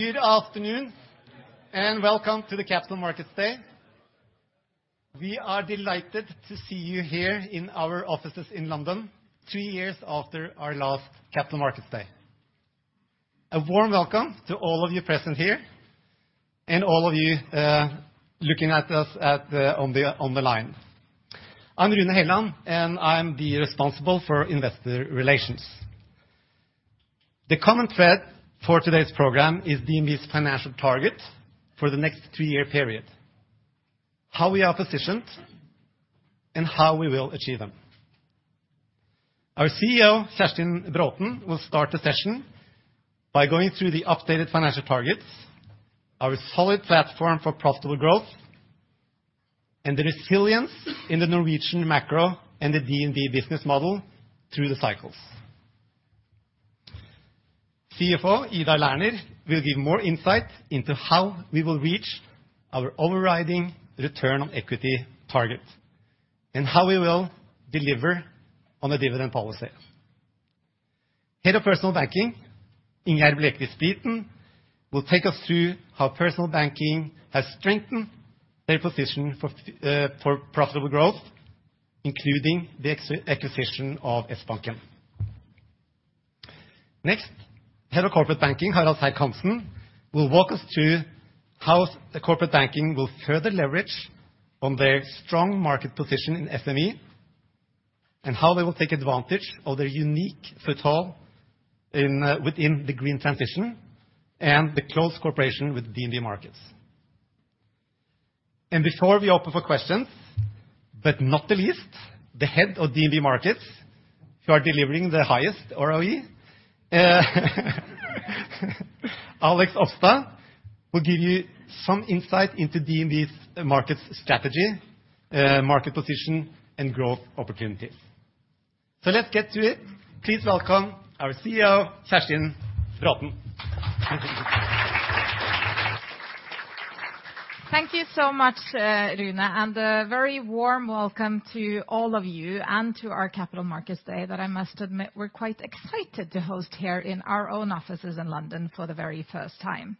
Good afternoon, and welcome to the Capital Markets Day. We are delighted to see you here in our offices in London three years after our last Capital Markets Day. A warm welcome to all of you present here, and all of you looking at us on the line. I'm Rune Helland, and I'm responsible for investor relations. The common thread for today's program is DNB's financial targets for the next three-year period, how we are positioned, and how we will achieve them. Our CEO, Kjerstin Braathen, will start the session by going through the updated financial targets, our solid platform for profitable growth, and the resilience in the Norwegian macro and the DNB business model through the cycles. CFO Ida Lerner will give more insight into how we will reach our overriding return on equity target and how we will deliver on the dividend policy. Head of Personal Banking, Ingjerd Blekeli Spiten, will take us through how Personal Banking has strengthened their position for profitable growth, including the acquisition of Sbanken. Next, Head of Corporate Banking, Harald Serck-Hanssen, will walk us through how Corporate Banking will further leverage on their strong market position in SME and how they will take advantage of their unique foothold within the green transition and the close cooperation with DNB Markets. Before we open for questions, but not the least, the Head of DNB Markets, who are delivering the highest ROE, Alexander Opstad will give you some insight into DNB's markets strategy, market position, and growth opportunities. Let's get to it. Please welcome our CEO, Kjerstin Braathen. Thank you so much, Rune, and a very warm welcome to all of you and to our Capital Markets Day that I must admit we're quite excited to host here in our own offices in London for the very first time.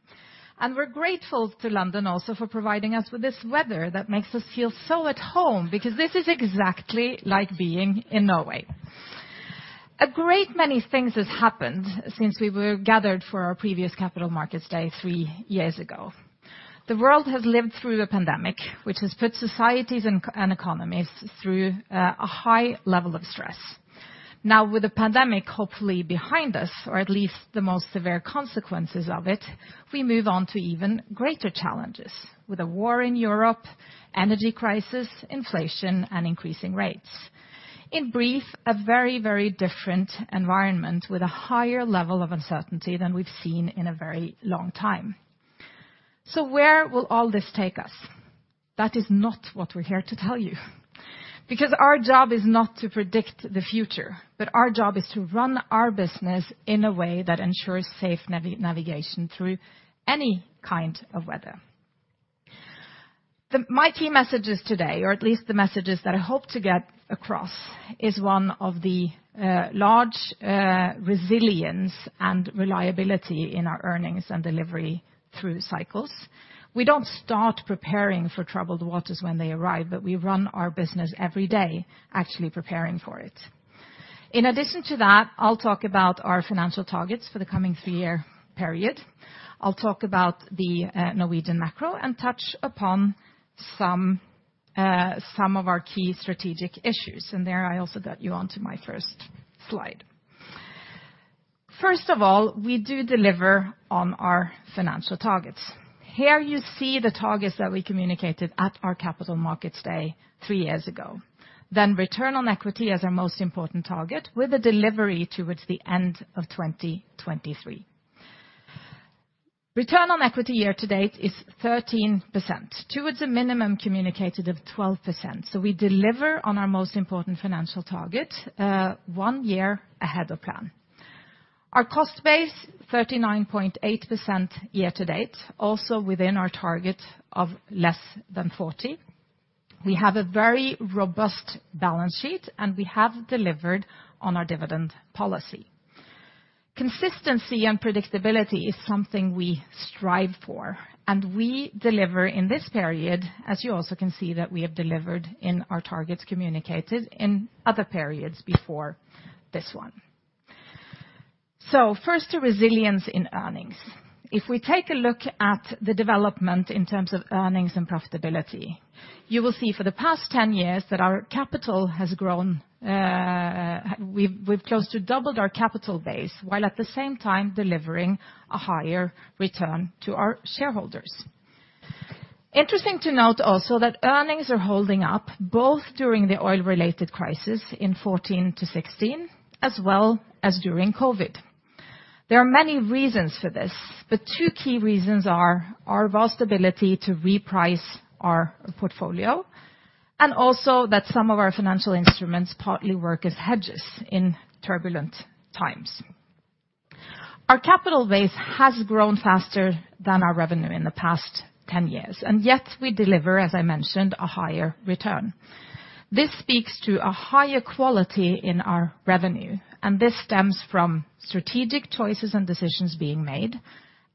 We're grateful to London also for providing us with this weather that makes us feel so at home because this is exactly like being in Norway. A great many things has happened since we were gathered for our previous Capital Markets Day three years ago. The world has lived through the pandemic, which has put societies and economies through a high level of stress. Now, with the pandemic hopefully behind us, or at least the most severe consequences of it, we move on to even greater challenges, with a war in Europe, energy crisis, inflation, and increasing rates. In brief, a very, very different environment with a higher level of uncertainty than we've seen in a very long time. Where will all this take us? That is not what we're here to tell you, because our job is not to predict the future, but our job is to run our business in a way that ensures safe navigation through any kind of weather. My key messages today, or at least the messages that I hope to get across, is one of the large resilience and reliability in our earnings and delivery through cycles. We don't start preparing for troubled waters when they arrive, but we run our business every day actually preparing for it. In addition to that, I'll talk about our financial targets for the coming three-year period. I'll talk about the Norwegian macro and touch upon some of our key strategic issues. There I also got you onto my first slide. First of all, we do deliver on our financial targets. Here you see the targets that we communicated at our Capital Markets Day three years ago. Return on equity as our most important target with a delivery towards the end of 2023. Return on equity year to date is 13%, towards a minimum communicated of 12%. We deliver on our most important financial target, one year ahead of plan. Our cost base, 39.8% year to date, also within our target of less than 40%. We have a very robust balance sheet, and we have delivered on our dividend policy. Consistency and predictability is something we strive for, and we deliver in this period, as you also can see that we have delivered in our targets communicated in other periods before this one. First to resilience in earnings. If we take a look at the development in terms of earnings and profitability, you will see for the past 10 years that our capital has grown. We've close to doubled our capital base, while at the same time delivering a higher return to our shareholders. Interesting to note also that earnings are holding up both during the oil-related crisis in 2014-2016, as well as during COVID. There are many reasons for this, but 2 key reasons are our vast ability to reprice our portfolio, and also that some of our financial instruments partly work as hedges in turbulent times. Our capital base has grown faster than our revenue in the past 10 years, and yet we deliver, as I mentioned, a higher return. This speaks to a higher quality in our revenue, and this stems from strategic choices and decisions being made,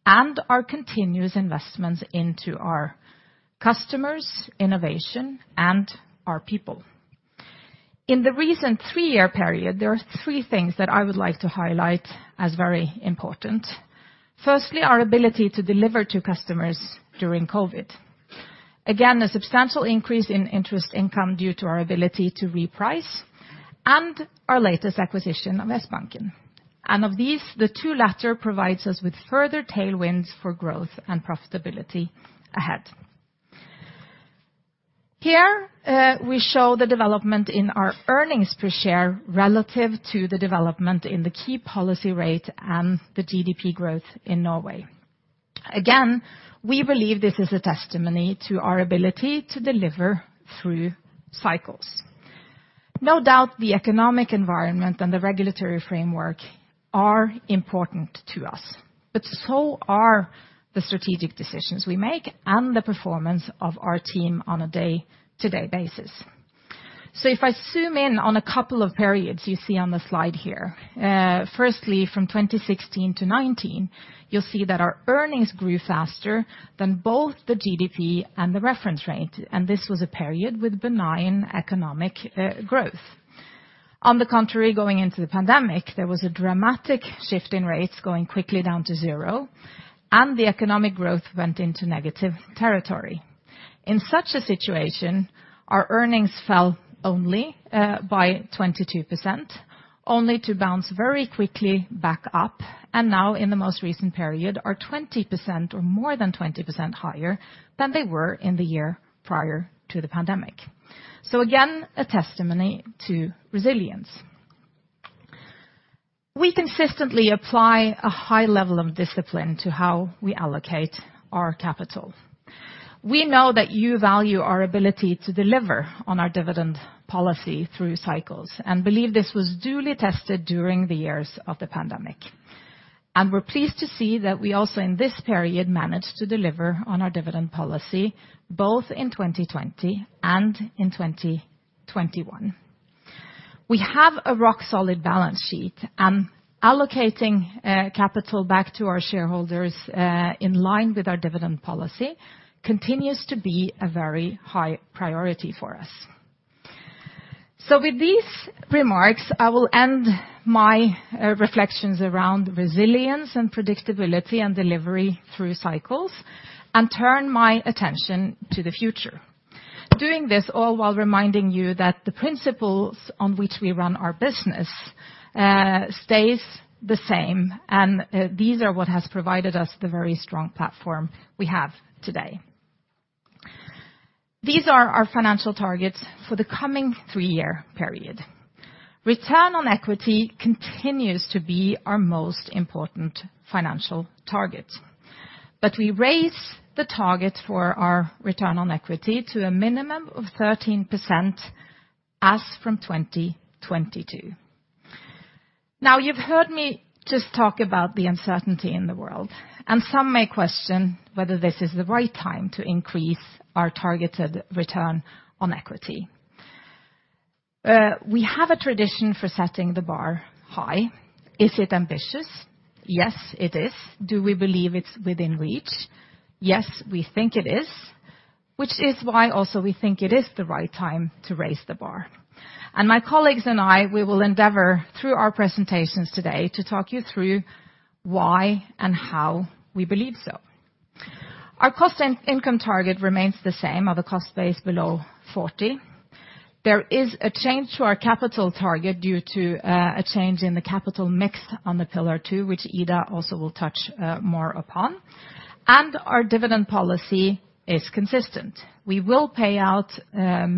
and our continuous investments into our customers, innovation, and our people. In the recent 3-year period, there are 3 things that I would like to highlight as very important. Firstly, our ability to deliver to customers during COVID. Again, a substantial increase in interest income due to our ability to reprice and our latest acquisition of Sbanken. Of these, the 2 latter provides us with further tailwinds for growth and profitability ahead. Here, we show the development in our earnings per share relative to the development in the key policy rate and the GDP growth in Norway. Again, we believe this is a testimony to our ability to deliver through cycles. No doubt the economic environment and the regulatory framework are important to us, but so are the strategic decisions we make and the performance of our team on a day-to-day basis. If I zoom in on a couple of periods you see on the slide here. Firstly from 2016 to 2019, you'll see that our earnings grew faster than both the GDP and the reference rate, and this was a period with benign economic growth. On the contrary, going into the pandemic, there was a dramatic shift in rates going quickly down to 0, and the economic growth went into negative territory. In such a situation, our earnings fell only by 22%, only to bounce very quickly back up. Now in the most recent period, are 20% or more than 20% higher than they were in the year prior to the pandemic. Again, a testimony to resilience. We consistently apply a high level of discipline to how we allocate our capital. We know that you value our ability to deliver on our dividend policy through cycles, and believe this was duly tested during the years of the pandemic. We're pleased to see that we also in this period managed to deliver on our dividend policy, both in 2020 and in 2021. We have a rock solid balance sheet, and allocating capital back to our shareholders in line with our dividend policy continues to be a very high priority for us. With these remarks, I will end my reflections around resilience and predictability and delivery through cycles and turn my attention to the future. Doing this all while reminding you that the principles on which we run our business, stays the same, and these are what has provided us the very strong platform we have today. These are our financial targets for the coming three-year period. Return on equity continues to be our most important financial target. We raise the target for our return on equity to a minimum of 13% as from 2022. Now you've heard me just talk about the uncertainty in the world, and some may question whether this is the right time to increase our targeted return on equity. We have a tradition for setting the bar high. Is it ambitious? Yes, it is. Do we believe it's within reach? Yes, we think it is. Which is why also we think it is the right time to raise the bar. My colleagues and I, we will endeavor through our presentations today to talk you through why and how we believe so. Our cost and income target remains the same of a cost base below 40%. There is a change to our capital target due to a change in the capital mix on the Pillar Two, which Ida also will touch more upon. Our dividend policy is consistent. We will pay out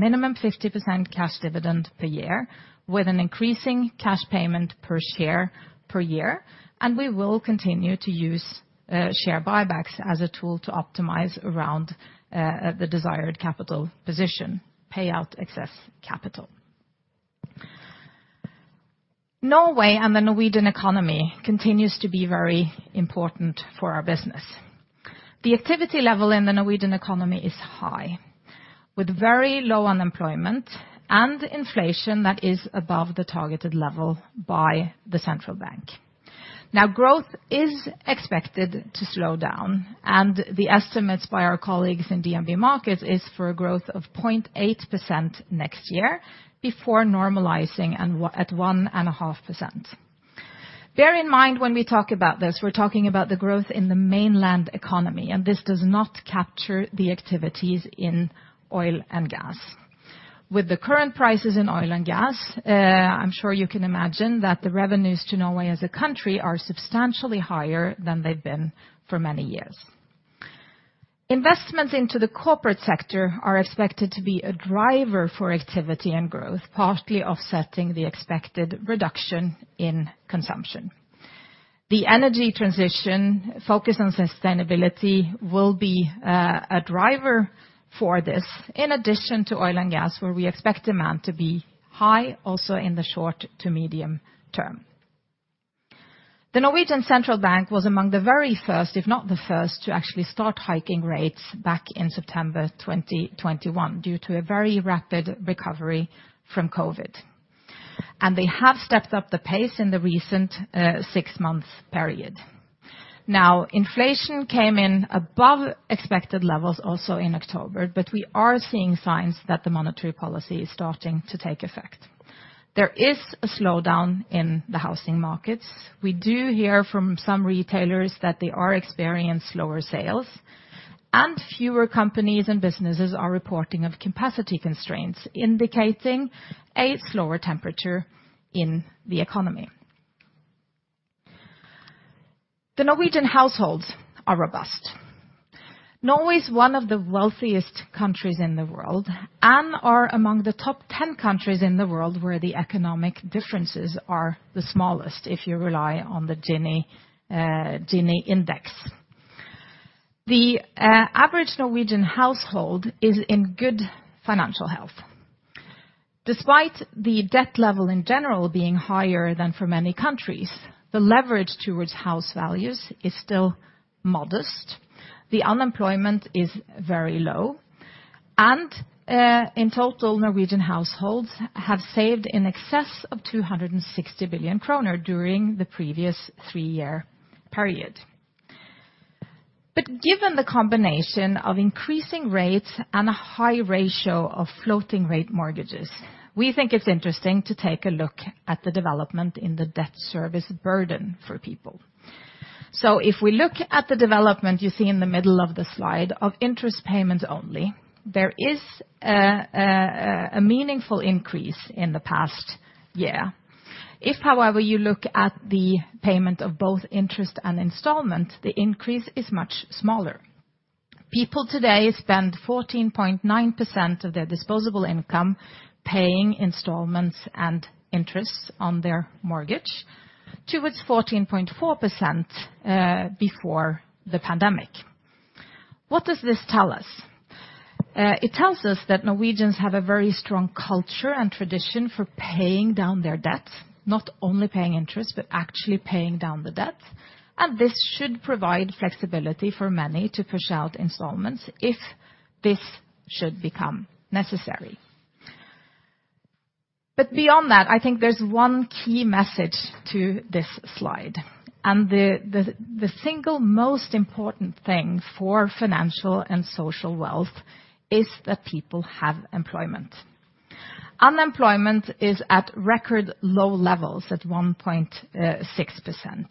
minimum 50% cash dividend per year with an increasing cash payment per share per year, and we will continue to use share buybacks as a tool to optimize around the desired capital position, payout excess capital. Norway and the Norwegian economy continues to be very important for our business. The activity level in the Norwegian economy is high, with very low unemployment and inflation that is above the targeted level by the central bank. Now growth is expected to slow down, and the estimates by our colleagues in DNB Markets is for a growth of 0.8% next year before normalizing and 1.5%. Bear in mind when we talk about this, we're talking about the growth in the mainland economy, and this does not capture the activities in oil and gas. With the current prices in oil and gas, I'm sure you can imagine that the revenues to Norway as a country are substantially higher than they've been for many years. Investments into the corporate sector are expected to be a driver for activity and growth, partly offsetting the expected reduction in consumption. The energy transition focus on sustainability will be a driver for this, in addition to oil and gas, where we expect demand to be high also in the short to medium term. Norges Bank was among the very first, if not the first, to actually start hiking rates back in September 2021 due to a very rapid recovery from COVID, and they have stepped up the pace in the recent six months period. Now, inflation came in above expected levels also in October, but we are seeing signs that the monetary policy is starting to take effect. There is a slowdown in the housing markets. We do hear from some retailers that they are experienced lower sales, and fewer companies and businesses are reporting of capacity constraints, indicating a slower temperature in the economy. The Norwegian households are robust. Norway is one of the wealthiest countries in the world and are among the top ten countries in the world where the economic differences are the smallest if you rely on the Gini index. The average Norwegian household is in good financial health. Despite the debt level in general being higher than for many countries, the leverage towards house values is still modest. The unemployment is very low, and in total, Norwegian households have saved in excess of 260 billion kroner during the previous three-year period. Given the combination of increasing rates and a high ratio of floating rate mortgages, we think it's interesting to take a look at the development in the debt service burden for people. If we look at the development, you see in the middle of the slide, of interest payments only, there is a meaningful increase in the past year. If, however, you look at the payment of both interest and installment, the increase is much smaller. People today spend 14.9% of their disposable income paying installments and interests on their mortgage towards 14.4% before the pandemic. What does this tell us? It tells us that Norwegians have a very strong culture and tradition for paying down their debts, not only paying interest, but actually paying down the debts, and this should provide flexibility for many to push out installments if this should become necessary. Beyond that, I think there's one key message to this slide. The single most important thing for financial and social wealth is that people have employment. Unemployment is at record low levels at 1.6%.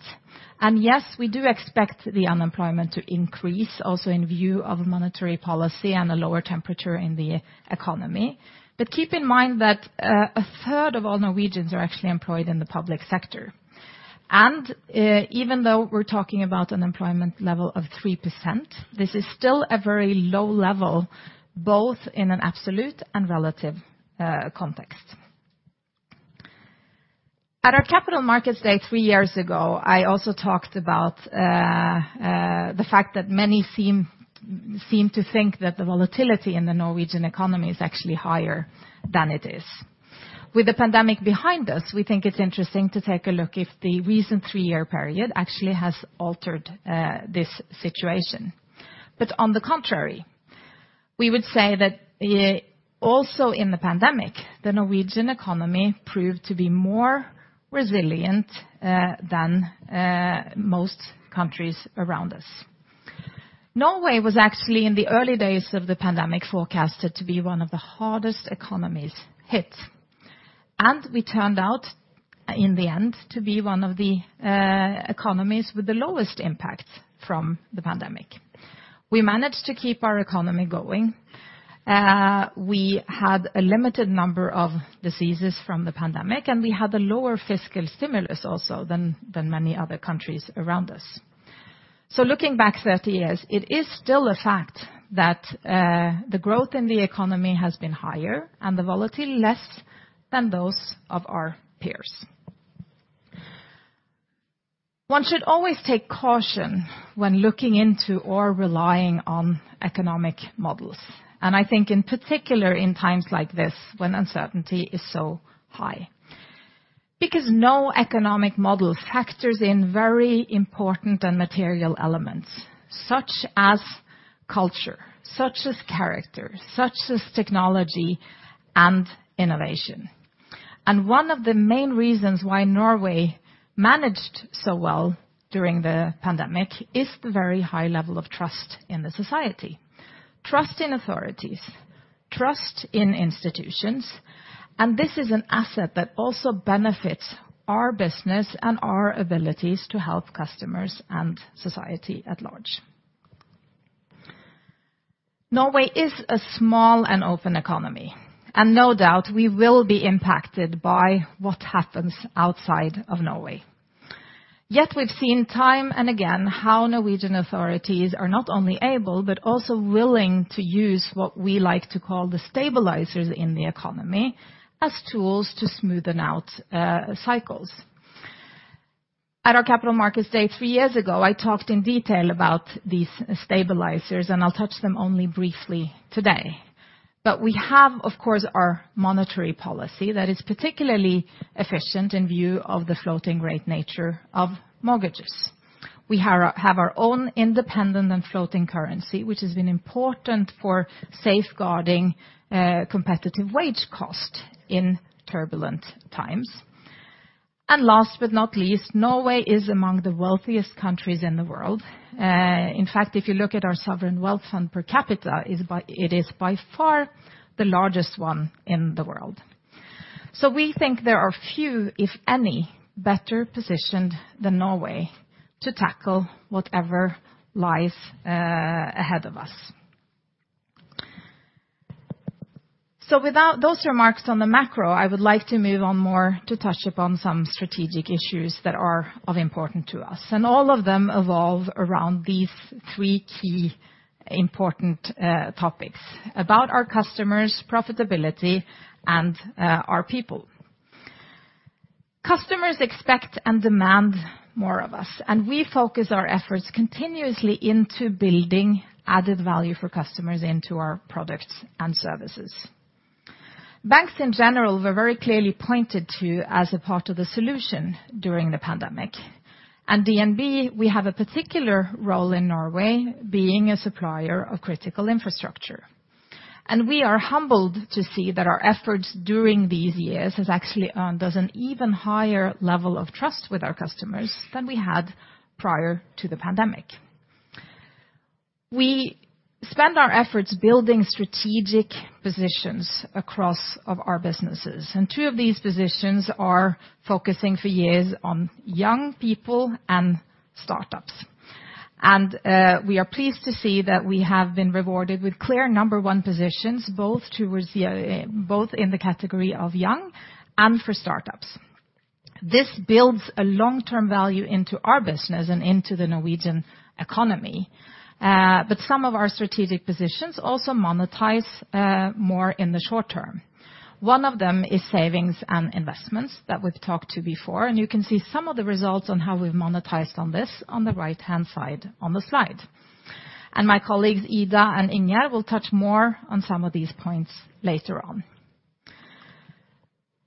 Yes, we do expect the unemployment to increase also in view of monetary policy and a lower temperature in the economy. Keep in mind that a third of all Norwegians are actually employed in the public sector. Even though we're talking about an employment level of 3%, this is still a very low level, both in an absolute and relative context. At our Capital Markets Day three years ago, I also talked about the fact that many seem to think that the volatility in the Norwegian economy is actually higher than it is. With the pandemic behind us, we think it's interesting to take a look if the recent three-year period actually has altered this situation. On the contrary, we would say that also in the pandemic, the Norwegian economy proved to be more resilient than most countries around us. Norway was actually in the early days of the pandemic forecasted to be one of the hardest economies hit, and we turned out, in the end, to be one of the economies with the lowest impact from the pandemic. We managed to keep our economy going. We had a limited number of diseases from the pandemic, and we had a lower fiscal stimulus also than many other countries around us. Looking back 30 years, it is still a fact that the growth in the economy has been higher and the volatility less than those of our peers. One should always take caution when looking into or relying on economic models, and I think in particular in times like this when uncertainty is so high. Because no economic model factors in very important and material elements such as culture, such as character, such as technology and innovation. One of the main reasons why Norway managed so well during the pandemic is the very high level of trust in the society, trust in authorities, trust in institutions, and this is an asset that also benefits our business and our abilities to help customers and society at large. Norway is a small and open economy, and no doubt we will be impacted by what happens outside of Norway. Yet we've seen time and again how Norwegian authorities are not only able, but also willing to use what we like to call the stabilizers in the economy as tools to smoothen out cycles. At our Capital Markets Day three years ago, I talked in detail about these stabilizers, and I'll touch them only briefly today. We have, of course, our monetary policy that is particularly efficient in view of the floating rate nature of mortgages. We have our own independent and floating currency, which has been important for safeguarding competitive wage cost in turbulent times. Last but not least, Norway is among the wealthiest countries in the world. In fact, if you look at our sovereign wealth fund per capita, it is by far the largest one in the world. We think there are few, if any, better positioned than Norway to tackle whatever lies ahead of us. Without those remarks on the macro, I would like to move on more to touch upon some strategic issues that are of importance to us, and all of them revolve around these three key important topics about our customers, profitability and our people. Customers expect and demand more of us, and we focus our efforts continuously into building added value for customers into our products and services. Banks in general were very clearly pointed to as a part of the solution during the pandemic. At DNB, we have a particular role in Norway being a supplier of critical infrastructure. We are humbled to see that our efforts during these years has actually earned us an even higher level of trust with our customers than we had prior to the pandemic. We spend our efforts building strategic positions across our businesses, and two of these positions are focusing for years on young people and startups. We are pleased to see that we have been rewarded with clear number one positions both towards the both in the category of young and for startups. This builds a long-term value into our business and into the Norwegian economy, but some of our strategic positions also monetize more in the short term. One of them is savings and investments that we've talked to before, and you can see some of the results on how we've monetized on this on the right-hand side on the slide. My colleagues, Ida and Ingjerd, will touch more on some of these points later on.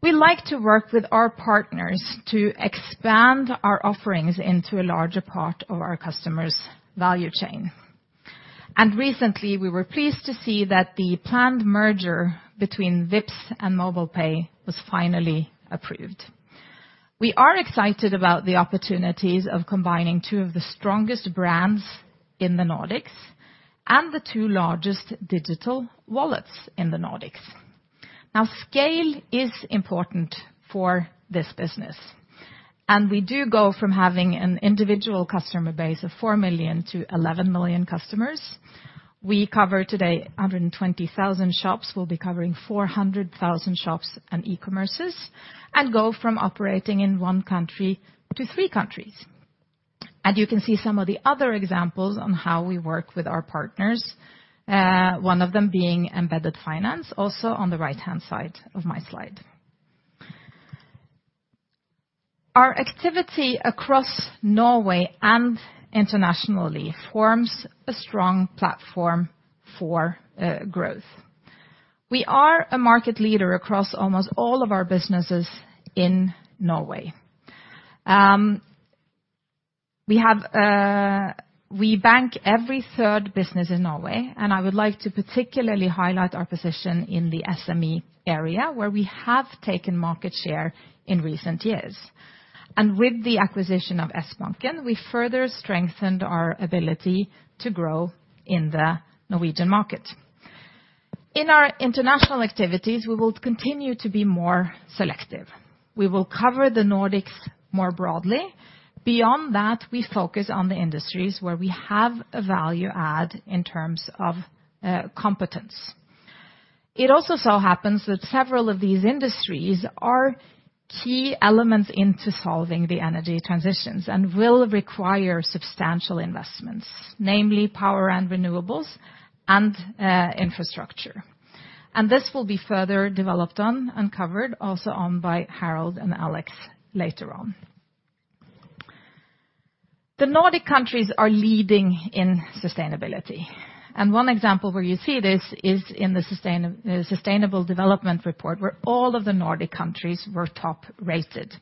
We like to work with our partners to expand our offerings into a larger part of our customers' value chain. Recently, we were pleased to see that the planned merger between Vipps and MobilePay was finally approved. We are excited about the opportunities of combining two of the strongest brands in the Nordics and the two largest digital wallets in the Nordics. Now scale is important for this business, and we do go from having an individual customer base of 4 million to 11 million customers. We cover today 120,000 shops. We'll be covering 400,000 shops and e-commerces and go from operating in 1 country to 3 countries. You can see some of the other examples on how we work with our partners, one of them being embedded finance, also on the right-hand side of my slide. Our activity across Norway and internationally forms a strong platform for growth. We are a market leader across almost all of our businesses in Norway. We bank one-third of businesses in Norway, and I would like to particularly highlight our position in the SME area, where we have taken market share in recent years. With the acquisition of Sbanken, we further strengthened our ability to grow in the Norwegian market. In our international activities, we will continue to be more selective. We will cover the Nordics more broadly. Beyond that, we focus on the industries where we have a value add in terms of competence. It also so happens that several of these industries are key elements into solving the energy transitions and will require substantial investments, namely power and renewables and infrastructure. This will be further developed on and covered also on by Harald and Alex later on. The Nordic countries are leading in sustainability, and one example where you see this is in the Sustainable Development Report, where all of the Nordic countries were top rated.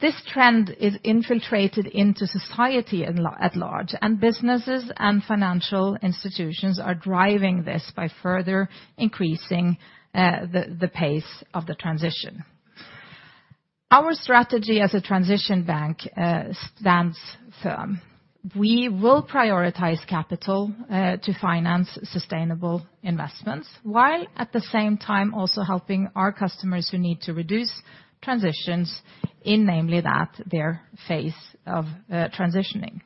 This trend is infiltrated into society at large, and businesses and financial institutions are driving this by further increasing the pace of the transition. Our strategy as a transition bank stands firm. We will prioritize capital to finance sustainable investments, while at the same time also helping our customers who need to reduce emissions in their phase of transitioning.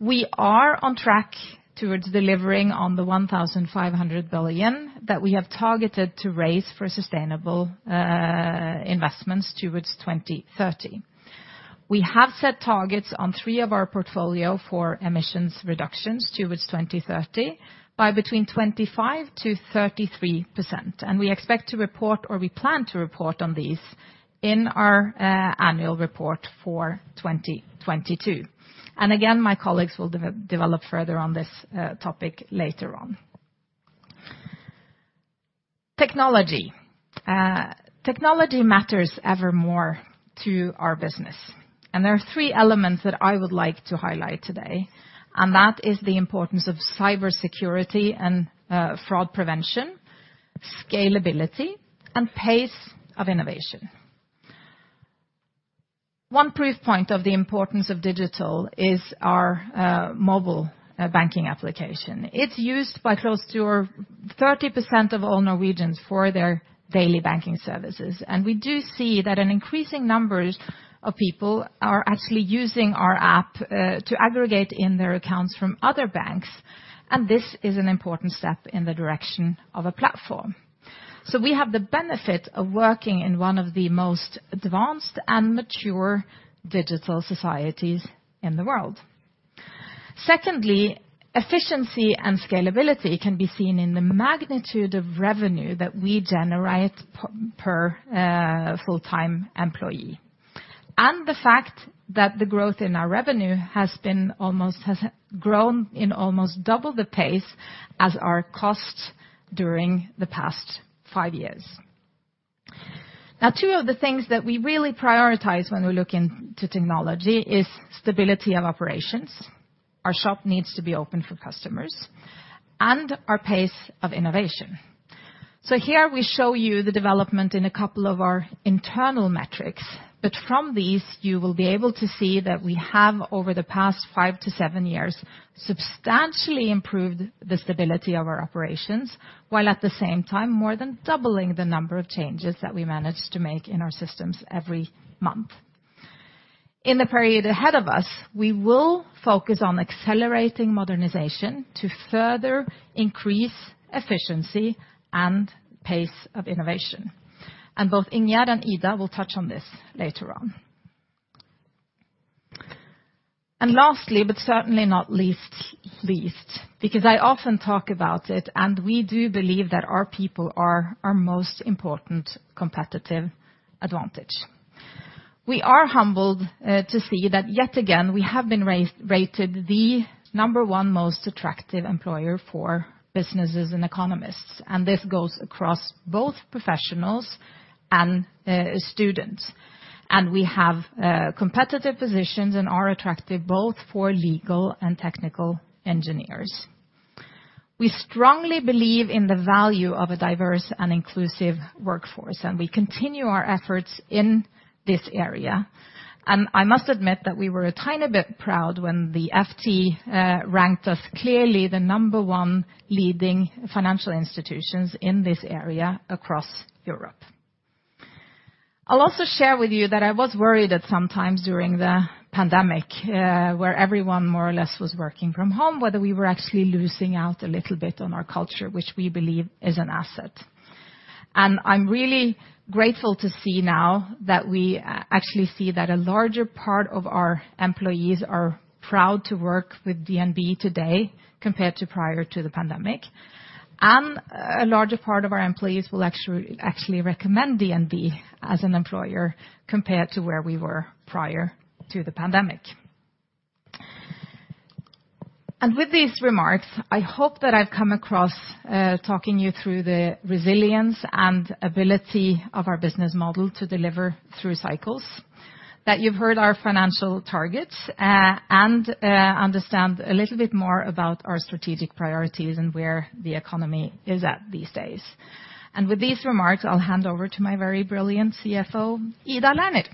We are on track towards delivering on the 1,500 billion that we have targeted to raise for sustainable investments towards 2030. We have set targets on three of our portfolio for emissions reductions towards 2030 by between 25%-33%, and we expect to report or we plan to report on these in our annual report for 2022. Again, my colleagues will develop further on this topic later on. Technology. Technology matters evermore to our business, and there are three elements that I would like to highlight today, and that is the importance of cybersecurity and fraud prevention, scalability, and pace of innovation. One proof point of the importance of digital is our mobile banking application. It's used by close to 30% of all Norwegians for their daily banking services. We do see that an increasing numbers of people are actually using our app to aggregate in their accounts from other banks, and this is an important step in the direction of a platform. We have the benefit of working in one of the most advanced and mature digital societies in the world. Secondly, efficiency and scalability can be seen in the magnitude of revenue that we generate per full-time employee, and the fact that the growth in our revenue has grown in almost double the pace as our costs during the past five years. Now, two of the things that we really prioritize when we look into technology is stability of operations, our shop needs to be open for customers, and our pace of innovation. Here we show you the development in a couple of our internal metrics. From these, you will be able to see that we have over the past five to seven years substantially improved the stability of our operations, while at the same time more than doubling the number of changes that we managed to make in our systems every month. In the period ahead of us, we will focus on accelerating modernization to further increase efficiency and pace of innovation. Both Ingjerd and Ida will touch on this later on. Lastly, but certainly not least, because I often talk about it, and we do believe that our people are our most important competitive advantage. We are humbled to see that yet again, we have been rated the number one most attractive employer for businesses and economists, and this goes across both professionals and students. We have competitive positions and are attractive both for legal and technical engineers. We strongly believe in the value of a diverse and inclusive workforce, and we continue our efforts in this area. I must admit that we were a tiny bit proud when the FT ranked us clearly the number one leading financial institutions in this area across Europe. I'll also share with you that I was worried at some times during the pandemic, where everyone more or less was working from home, whether we were actually losing out a little bit on our culture, which we believe is an asset. I'm really grateful to see now that we actually see that a larger part of our employees are proud to work with DNB today compared to prior to the pandemic. A larger part of our employees will actually recommend DNB as an employer compared to where we were prior to the pandemic. With these remarks, I hope that I've come across, talking you through the resilience and ability of our business model to deliver through cycles, that you've heard our financial targets, and understand a little bit more about our strategic priorities and where the economy is at these days. With these remarks, I'll hand over to my very brilliant CFO, Ida Lerner.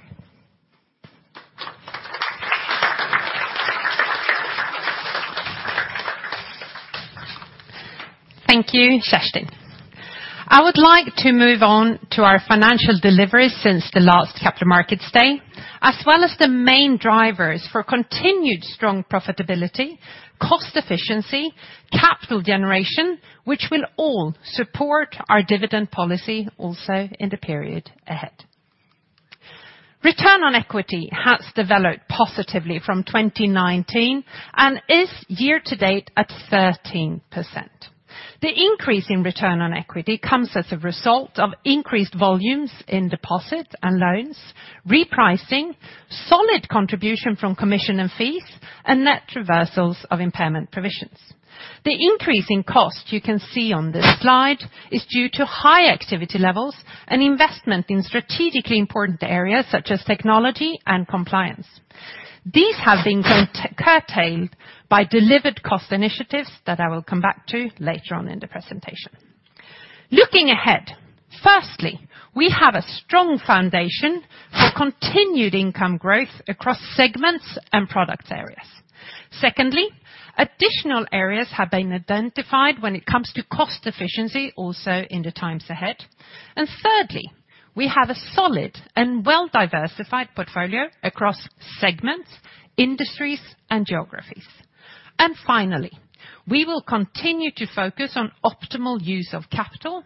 Thank you, Kjerstin. I would like to move on to our financial delivery since the last Capital Markets Day, as well as the main drivers for continued strong profitability, cost efficiency, capital generation, which will all support our dividend policy also in the period ahead. Return on equity has developed positively from 2019, and is year to date at 13%. The increase in return on equity comes as a result of increased volumes in deposits and loans, repricing, solid contribution from commission and fees, and net reversals of impairment provisions. The increase in cost you can see on this slide is due to high activity levels and investment in strategically important areas such as technology and compliance. These have been curtailed by delivered cost initiatives that I will come back to later on in the presentation. Looking ahead, firstly, we have a strong foundation for continued income growth across segments and product areas. Secondly, additional areas have been identified when it comes to cost efficiency also in the times ahead. Thirdly, we have a solid and well-diversified portfolio across segments, industries, and geographies. Finally, we will continue to focus on optimal use of capital.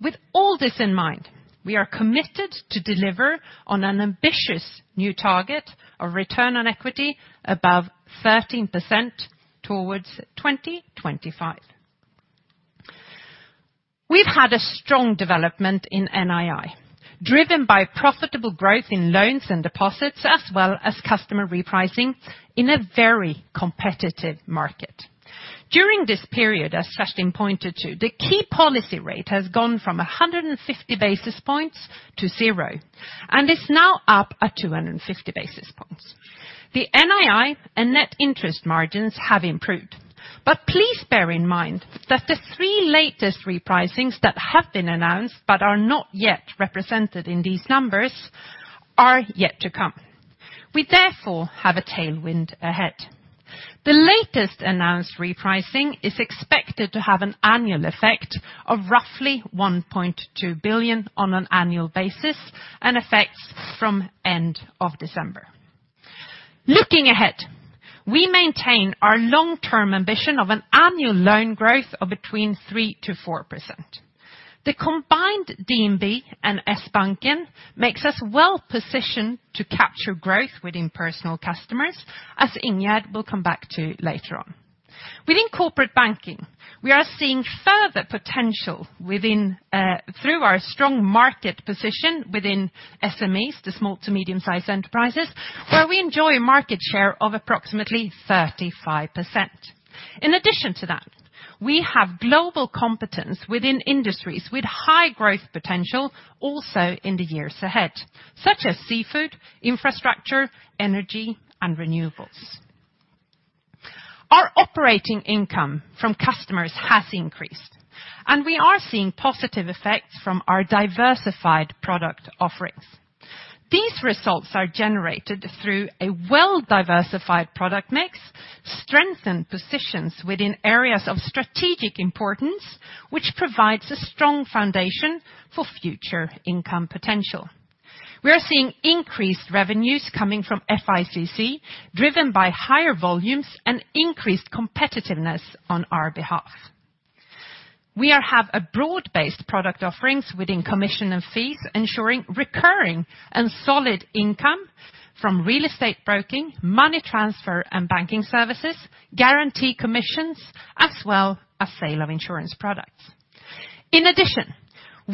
With all this in mind, we are committed to deliver on an ambitious new target of return on equity above 13% towards 2025. We've had a strong development in NII, driven by profitable growth in loans and deposits, as well as customer repricing in a very competitive market. During this period, as Kjerstin pointed to, the key policy rate has gone from 150 basis points to 0, and is now up at 250 basis points. The NII and net interest margins have improved. Please bear in mind that the three latest repricings that have been announced but are not yet represented in these numbers are yet to come. We therefore have a tailwind ahead. The latest announced repricing is expected to have an annual effect of roughly 1.2 billion on an annual basis, and effects from end of December. Looking ahead, we maintain our long-term ambition of an annual loan growth of between 3%-4%. The combined DNB and Sbanken makes us well-positioned to capture growth within personal customers, as Ingjerd will come back to later on. Within corporate banking, we are seeing further potential within through our strong market position within SMEs, the small to medium-sized enterprises, where we enjoy market share of approximately 35%. In addition to that, we have global competence within industries with high growth potential also in the years ahead, such as seafood, infrastructure, energy, and renewables. Our operating income from customers has increased, and we are seeing positive effects from our diversified product offerings. These results are generated through a well-diversified product mix, strengthened positions within areas of strategic importance, which provides a strong foundation for future income potential. We are seeing increased revenues coming from FICC, driven by higher volumes and increased competitiveness on our behalf. We have a broad-based product offerings within commission and fees, ensuring recurring and solid income from real estate broking, money transfer and banking services, guarantee commissions, as well as sale of insurance products. In addition,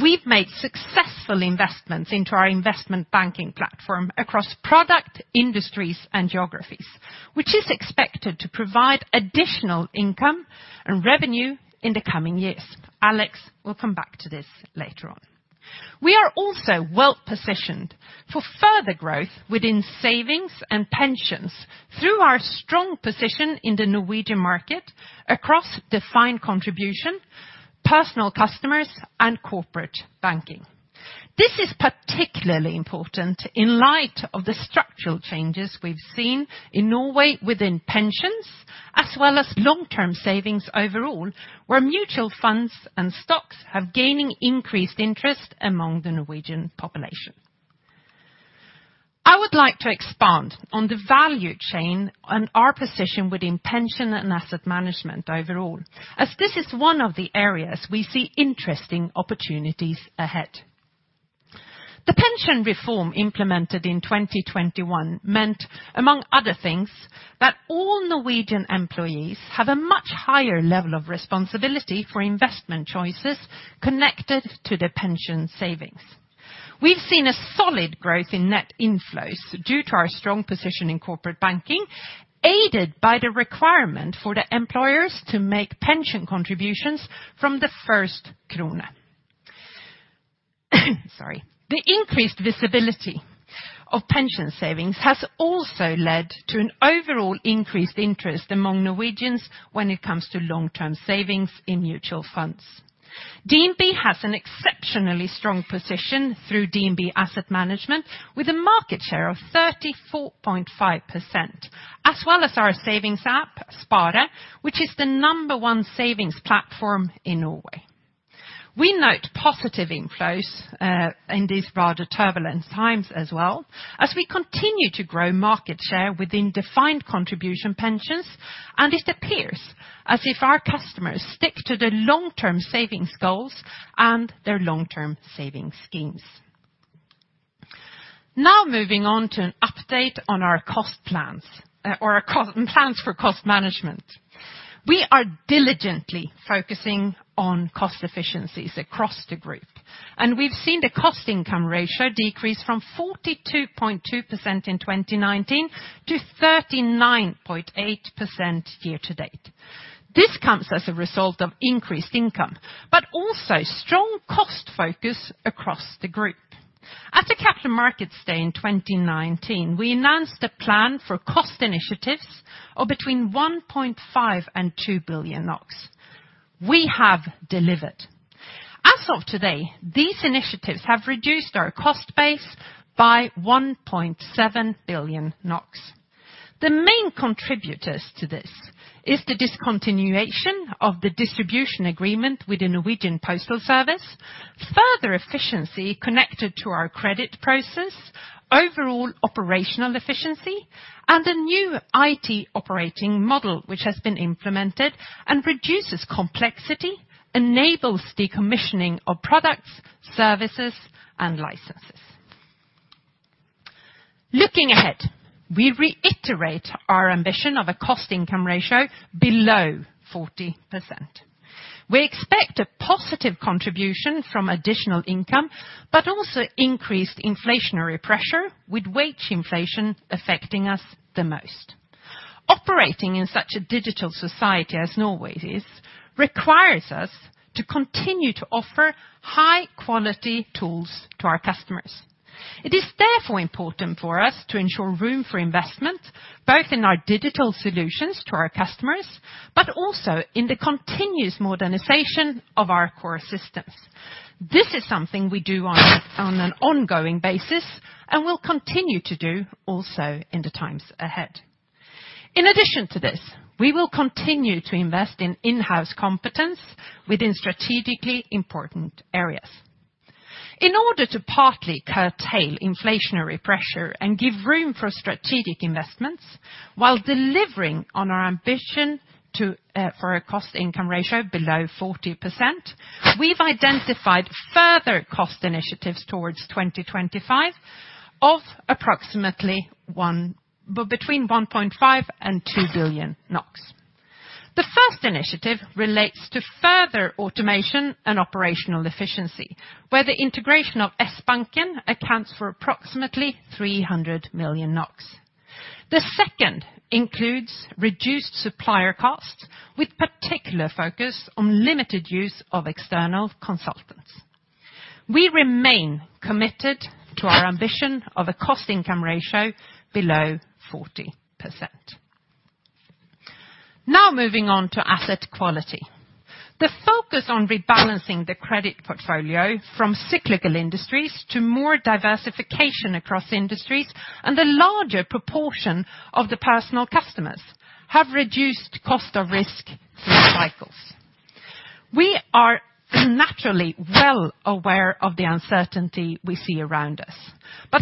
we've made successful investments into our investment banking platform across product, industries, and geographies, which is expected to provide additional income and revenue in the coming years. Alex will come back to this later on. We are also well-positioned for further growth within savings and pensions through our strong position in the Norwegian market across defined contribution, personal customers, and corporate banking. This is particularly important in light of the structural changes we've seen in Norway within pensions, as well as long-term savings overall, where mutual funds and stocks have gained increased interest among the Norwegian population. I would like to expand on the value chain and our position within pension and asset management overall, as this is one of the areas we see interesting opportunities ahead. The pension reform implemented in 2021 meant, among other things, that all Norwegian employees have a much higher level of responsibility for investment choices connected to their pension savings. We've seen a solid growth in net inflows due to our strong position in corporate banking, aided by the requirement for the employers to make pension contributions from the first krone. The increased visibility of pension savings has also led to an overall increased interest among Norwegians when it comes to long-term savings in mutual funds. DNB has an exceptionally strong position through DNB Asset Management, with a market share of 34.5%, as well as our savings app, Spare, which is the number one savings platform in Norway. We note positive inflows in these rather turbulent times as well, as we continue to grow market share within defined contribution pensions, and it appears as if our customers stick to the long-term savings goals and their long-term savings schemes. Now moving on to an update on our cost plans for cost management. We are diligently focusing on cost efficiencies across the group, and we've seen the cost income ratio decrease from 42.2% in 2019 to 39.8% year to date. This comes as a result of increased income, but also strong cost focus across the group. At the Capital Markets Day in 2019, we announced a plan for cost initiatives of between 1.5 billion and 2 billion NOK. We have delivered. As of today, these initiatives have reduced our cost base by 1.7 billion NOK. The main contributors to this is the discontinuation of the distribution agreement with Posten Bring, further efficiency connected to our credit process, overall operational efficiency, and a new IT operating model which has been implemented and reduces complexity, enables decommissioning of products, services, and licenses. Looking ahead, we reiterate our ambition of a cost income ratio below 40%. We expect a positive contribution from additional income, but also increased inflationary pressure with wage inflation affecting us the most. Operating in such a digital society as Norway is, requires us to continue to offer high quality tools to our customers. It is therefore important for us to ensure room for investment, both in our digital solutions to our customers, but also in the continuous modernization of our core systems. This is something we do on an ongoing basis and will continue to do also in the times ahead. In addition to this, we will continue to invest in-house competence within strategically important areas. In order to partly curtail inflationary pressure and give room for strategic investments while delivering on our ambition for a cost income ratio below 40%, we've identified further cost initiatives toward 2025 of approximately between 1.5 billion and 2 billion NOK. The first initiative relates to further automation and operational efficiency, where the integration of Sbanken accounts for approximately 300 million NOK. The second includes reduced supplier costs with particular focus on limited use of external consultants. We remain committed to our ambition for a cost income ratio below 40%. Now moving on to asset quality. The focus on rebalancing the credit portfolio from cyclical industries to more diversification across industries and the larger proportion of the personal customers have reduced cost of risk through cycles. We are naturally well aware of the uncertainty we see around us.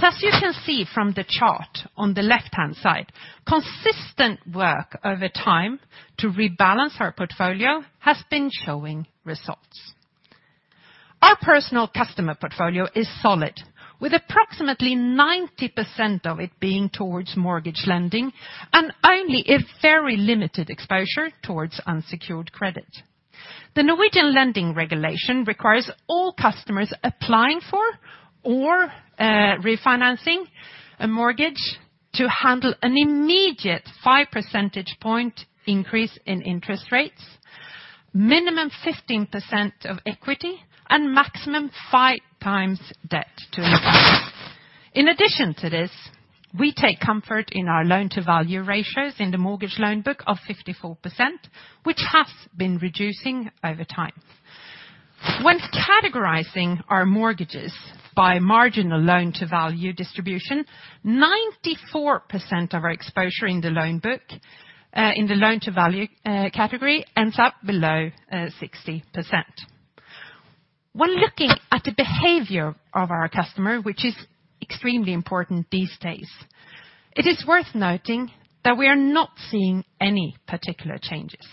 As you can see from the chart on the left-hand side, consistent work over time to rebalance our portfolio has been showing results. Our personal customer portfolio is solid, with approximately 90% of it being towards mortgage lending and only a very limited exposure towards unsecured credit. The Norwegian lending regulation requires all customers applying for or refinancing a mortgage to handle an immediate five percentage point increase in interest rates, minimum 15% of equity and maximum five times debt to income. In addition to this, we take comfort in our loan to value ratios in the mortgage loan book of 54%, which has been reducing over time. When categorizing our mortgages by marginal loan to value distribution, 94% of our exposure in the loan book, in the loan to value category ends up below 60%. When looking at the behavior of our customer, which is extremely important these days, it is worth noting that we are not seeing any particular changes.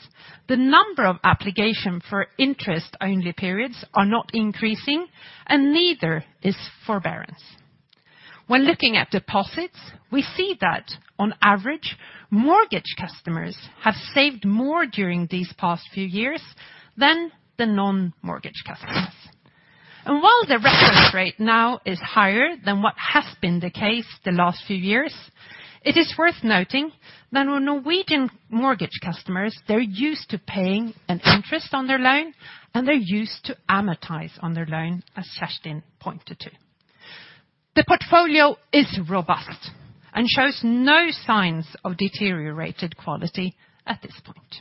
The number of application for interest only periods are not increasing and neither is forbearance. When looking at deposits, we see that on average, mortgage customers have saved more during these past few years than the non-mortgage customers. While the reference rate now is higher than what has been the case the last few years, it is worth noting that our Norwegian mortgage customers, they're used to paying an interest on their loan, and they're used to amortize on their loan, as Kjerstin pointed to. The portfolio is robust and shows no signs of deteriorated quality at this point.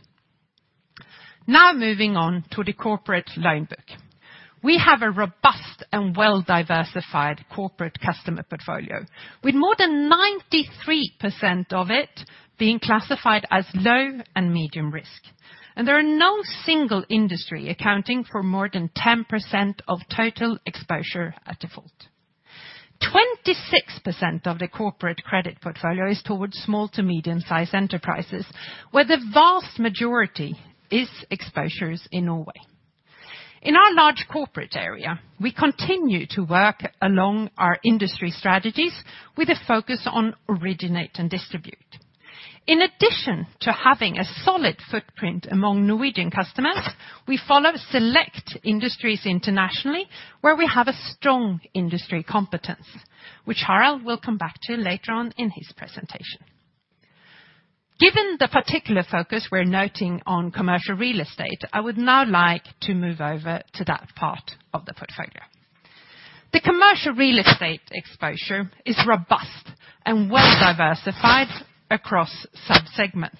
Now moving on to the corporate loan book. We have a robust and well-diversified corporate customer portfolio with more than 93% of it being classified as low and medium risk. There are no single industry accounting for more than 10% of total exposure at default. 26% of the corporate credit portfolio is towards small to medium-sized enterprises, where the vast majority is exposures in Norway. In our large corporate area, we continue to work along our industry strategies with a focus on originate and distribute. In addition to having a solid footprint among Norwegian customers, we follow select industries internationally, where we have a strong industry competence, which Harald will come back to later on in his presentation. Given the particular focus we're noting on commercial real estate, I would now like to move over to that part of the portfolio. The commercial real estate exposure is robust and well diversified across sub-segments.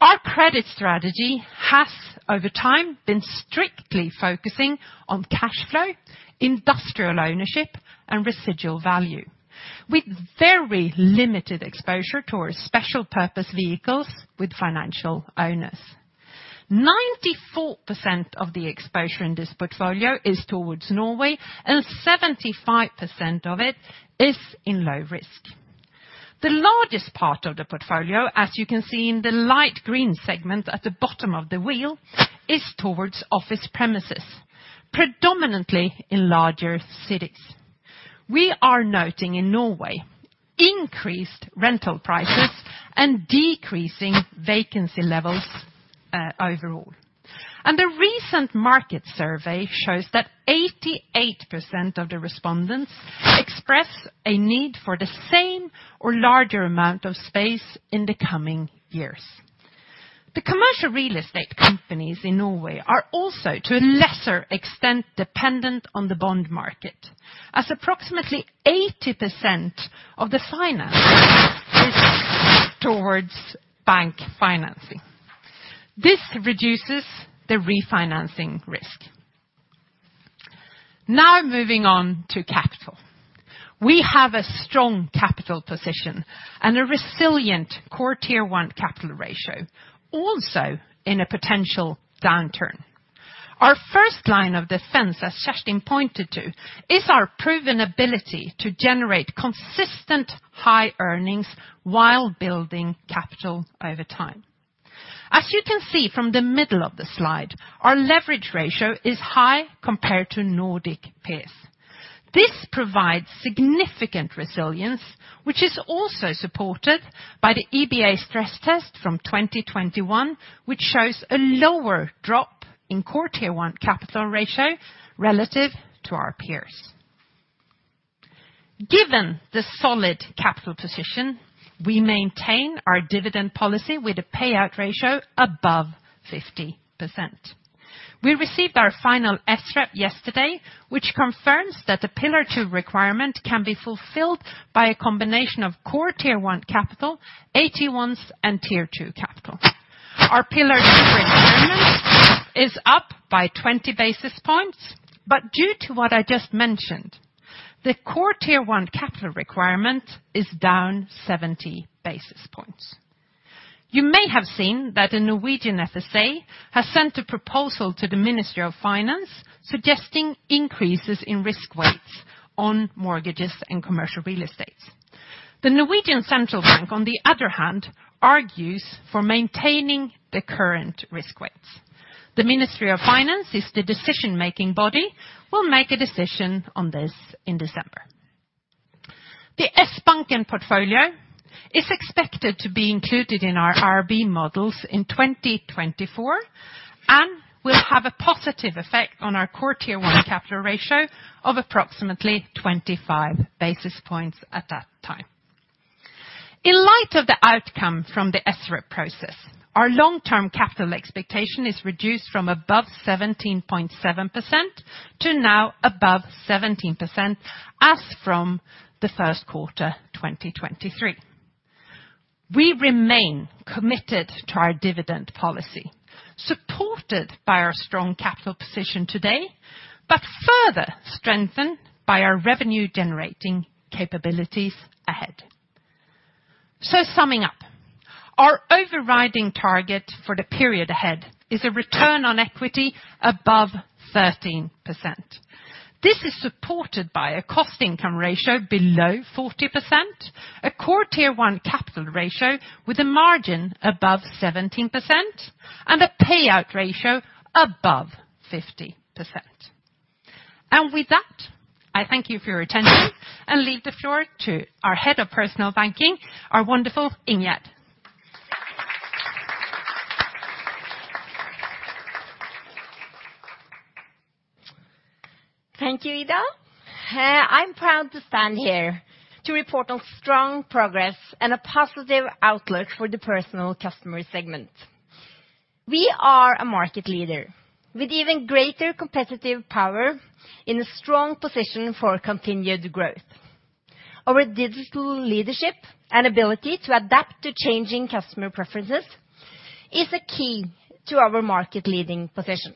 Our credit strategy has, over time, been strictly focusing on cash flow, industrial ownership and residual value, with very limited exposure towards special purpose vehicles with financial owners. 94% of the exposure in this portfolio is towards Norway, and 75% of it is in low risk. The largest part of the portfolio, as you can see in the light green segment at the bottom of the wheel, is towards office premises, predominantly in larger cities. We are noting in Norway increased rental prices and decreasing vacancy levels, overall. The recent market survey shows that 88% of the respondents express a need for the same or larger amount of space in the coming years. The commercial real estate companies in Norway are also, to a lesser extent, dependent on the bond market, as approximately 80% of the finance is towards bank financing. This reduces the refinancing risk. Now moving on to capital. We have a strong capital position and a resilient Core Tier 1 capital ratio, also in a potential downturn. Our first line of defense, as Kjerstin pointed to, is our proven ability to generate consistent high earnings while building capital over time. As you can see from the middle of the slide, our leverage ratio is high compared to Nordic peers. This provides significant resilience, which is also supported by the EBA stress test from 2021, which shows a lower drop in Core Tier 1 capital ratio relative to our peers. Given the solid capital position, we maintain our dividend policy with a payout ratio above 50%. We received our final SREP yesterday, which confirms that the Pillar Two requirement can be fulfilled by a combination of Core Tier 1 capital, AT1s, and Tier Two capital. Our Pillar Two requirement is up by 20 basis points, but due to what I just mentioned, the Core Tier 1 capital requirement is down 70 basis points. You may have seen that the Norwegian FSA has sent a proposal to the Ministry of Finance suggesting increases in risk weights on mortgages and commercial real estate. Norges Bank, on the other hand, argues for maintaining the current risk weights. The Ministry of Finance is the decision-making body and will make a decision on this in December. The Sbanken portfolio is expected to be included in our IRB models in 2024 and will have a positive effect on our Core Tier 1 capital ratio of approximately 25 basis points at that time. In light of the outcome from the SREP process, our long-term capital expectation is reduced from above 17.7% to now above 17% as from the first quarter 2023. We remain committed to our dividend policy, supported by our strong capital position today, but further strengthened by our revenue generating capabilities ahead. Summing up, our overriding target for the period ahead is a return on equity above 13%. This is supported by a cost income ratio below 40%, a Core Tier 1 capital ratio with a margin above 17%, and a payout ratio above 50%. With that, I thank you for your attention and leave the floor to our head of personal banking, our wonderful Ingjerd. Thank you, Ida. I'm proud to stand here to report on strong progress and a positive outlook for the personal customer segment. We are a market leader with even greater competitive power in a strong position for continued growth. Our digital leadership and ability to adapt to changing customer preferences is a key to our market leading position.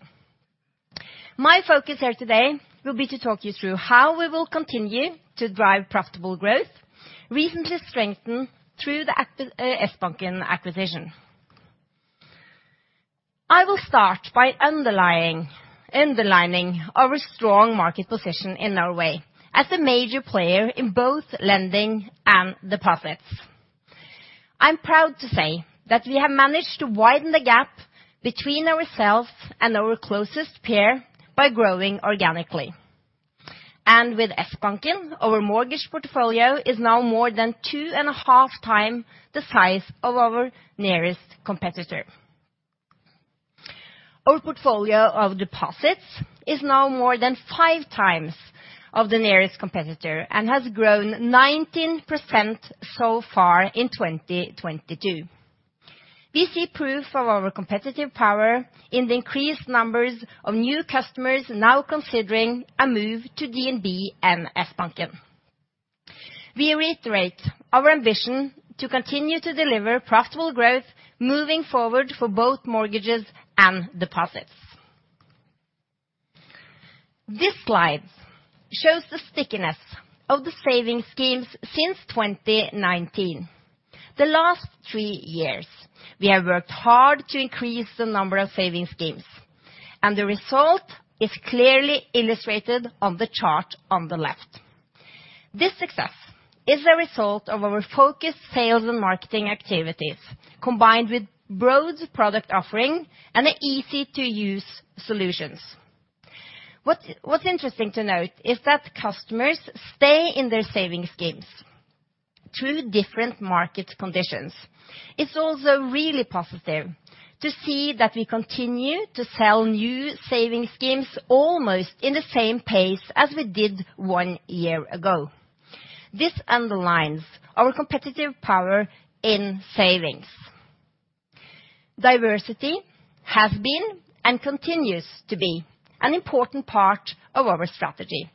My focus here today will be to talk you through how we will continue to drive profitable growth, recently strengthened through the Sbanken acquisition. I will start by underlining our strong market position in Norway as a major player in both lending and deposits. I'm proud to say that we have managed to widen the gap between ourselves and our closest peer by growing organically. With Sbanken, our mortgage portfolio is now more than two and a half time the size of our nearest competitor. Our portfolio of deposits is now more than 5 times of the nearest competitor and has grown 19% so far in 2022. We see proof of our competitive power in the increased numbers of new customers now considering a move to DNB and Sbanken. We reiterate our ambition to continue to deliver profitable growth moving forward for both mortgages and deposits. This slide shows the stickiness of the saving schemes since 2019. The last 3 years, we have worked hard to increase the number of savings schemes, and the result is clearly illustrated on the chart on the left. This success is a result of our focused sales and marketing activities, combined with broad product offering and easy-to-use solutions. What's interesting to note is that customers stay in their savings schemes through different market conditions. It's also really positive to see that we continue to sell new savings schemes almost in the same pace as we did one year ago. This underlines our competitive power in savings. Diversity has been and continues to be an important part of our strategy,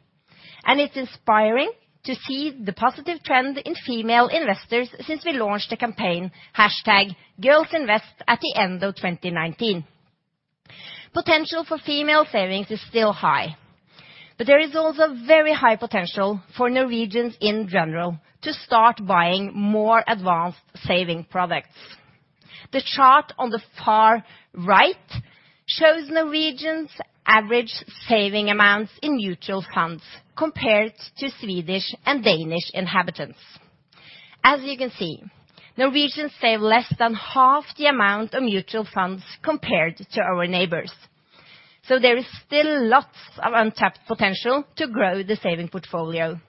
and it's inspiring to see the positive trend in female investors since we launched a campaign, hashtag #girlsinvest, at the end of 2019. Potential for female savings is still high, but there is also very high potential for Norwegians in general to start buying more advanced saving products. The chart on the far right shows Norwegians' average saving amounts in mutual funds compared to Swedish and Danish inhabitants. As you can see, Norwegians save less than half the amount of mutual funds compared to our neighbors. There is still lots of untapped potential to grow the saving portfolio,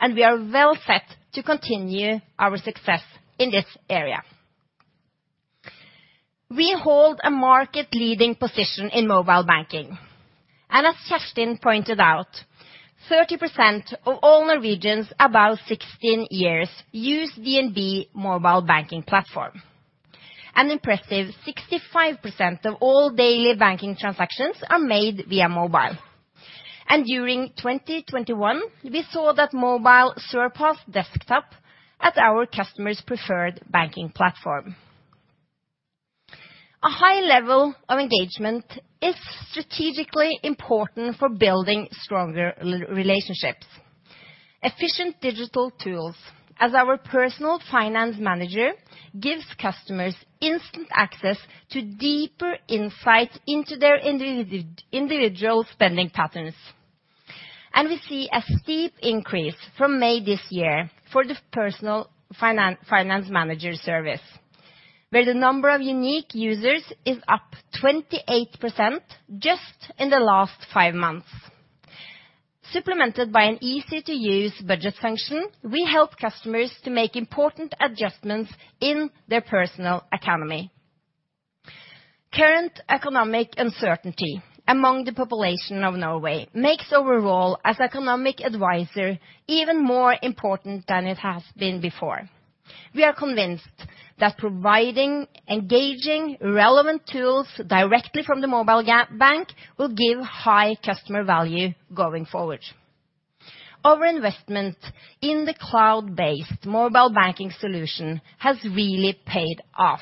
and we are well set to continue our success in this area. We hold a market-leading position in mobile banking, and as Kjerstin pointed out, 30% of all Norwegians above 16 years use DNB mobile banking platform. An impressive 65% of all daily banking transactions are made via mobile. During 2021, we saw that mobile surpassed desktop as our customers' preferred banking platform. A high level of engagement is strategically important for building stronger relationships. Efficient digital tools, as our personal finance manager gives customers instant access to deeper insights into their individual spending patterns. We see a steep increase from May this year for the personal finance manager service, where the number of unique users is up 28% just in the last 5 months. Supplemented by an easy-to-use budget function, we help customers to make important adjustments in their personal economy. Current economic uncertainty among the population of Norway makes our role as economic advisor even more important than it has been before. We are convinced that providing engaging, relevant tools directly from the mobile bank will give high customer value going forward. Our investment in the cloud-based mobile banking solution has really paid off.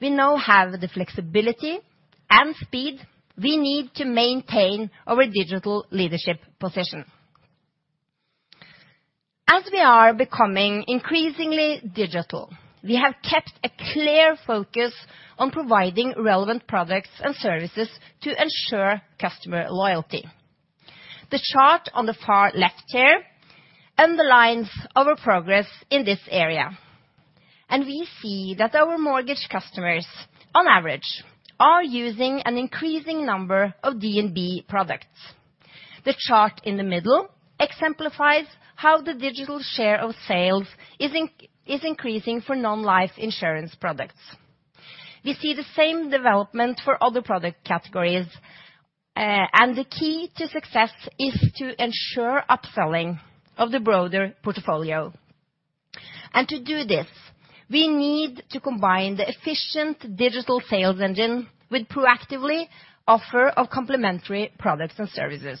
We now have the flexibility and speed we need to maintain our digital leadership position. As we are becoming increasingly digital, we have kept a clear focus on providing relevant products and services to ensure customer loyalty. The chart on the far left here underlines our progress in this area, and we see that our mortgage customers, on average, are using an increasing number of DNB products. The chart in the middle exemplifies how the digital share of sales is increasing for non-life insurance products. We see the same development for other product categories, and the key to success is to ensure upselling of the broader portfolio. To do this, we need to combine the efficient digital sales engine with proactively offer of complementary products and services.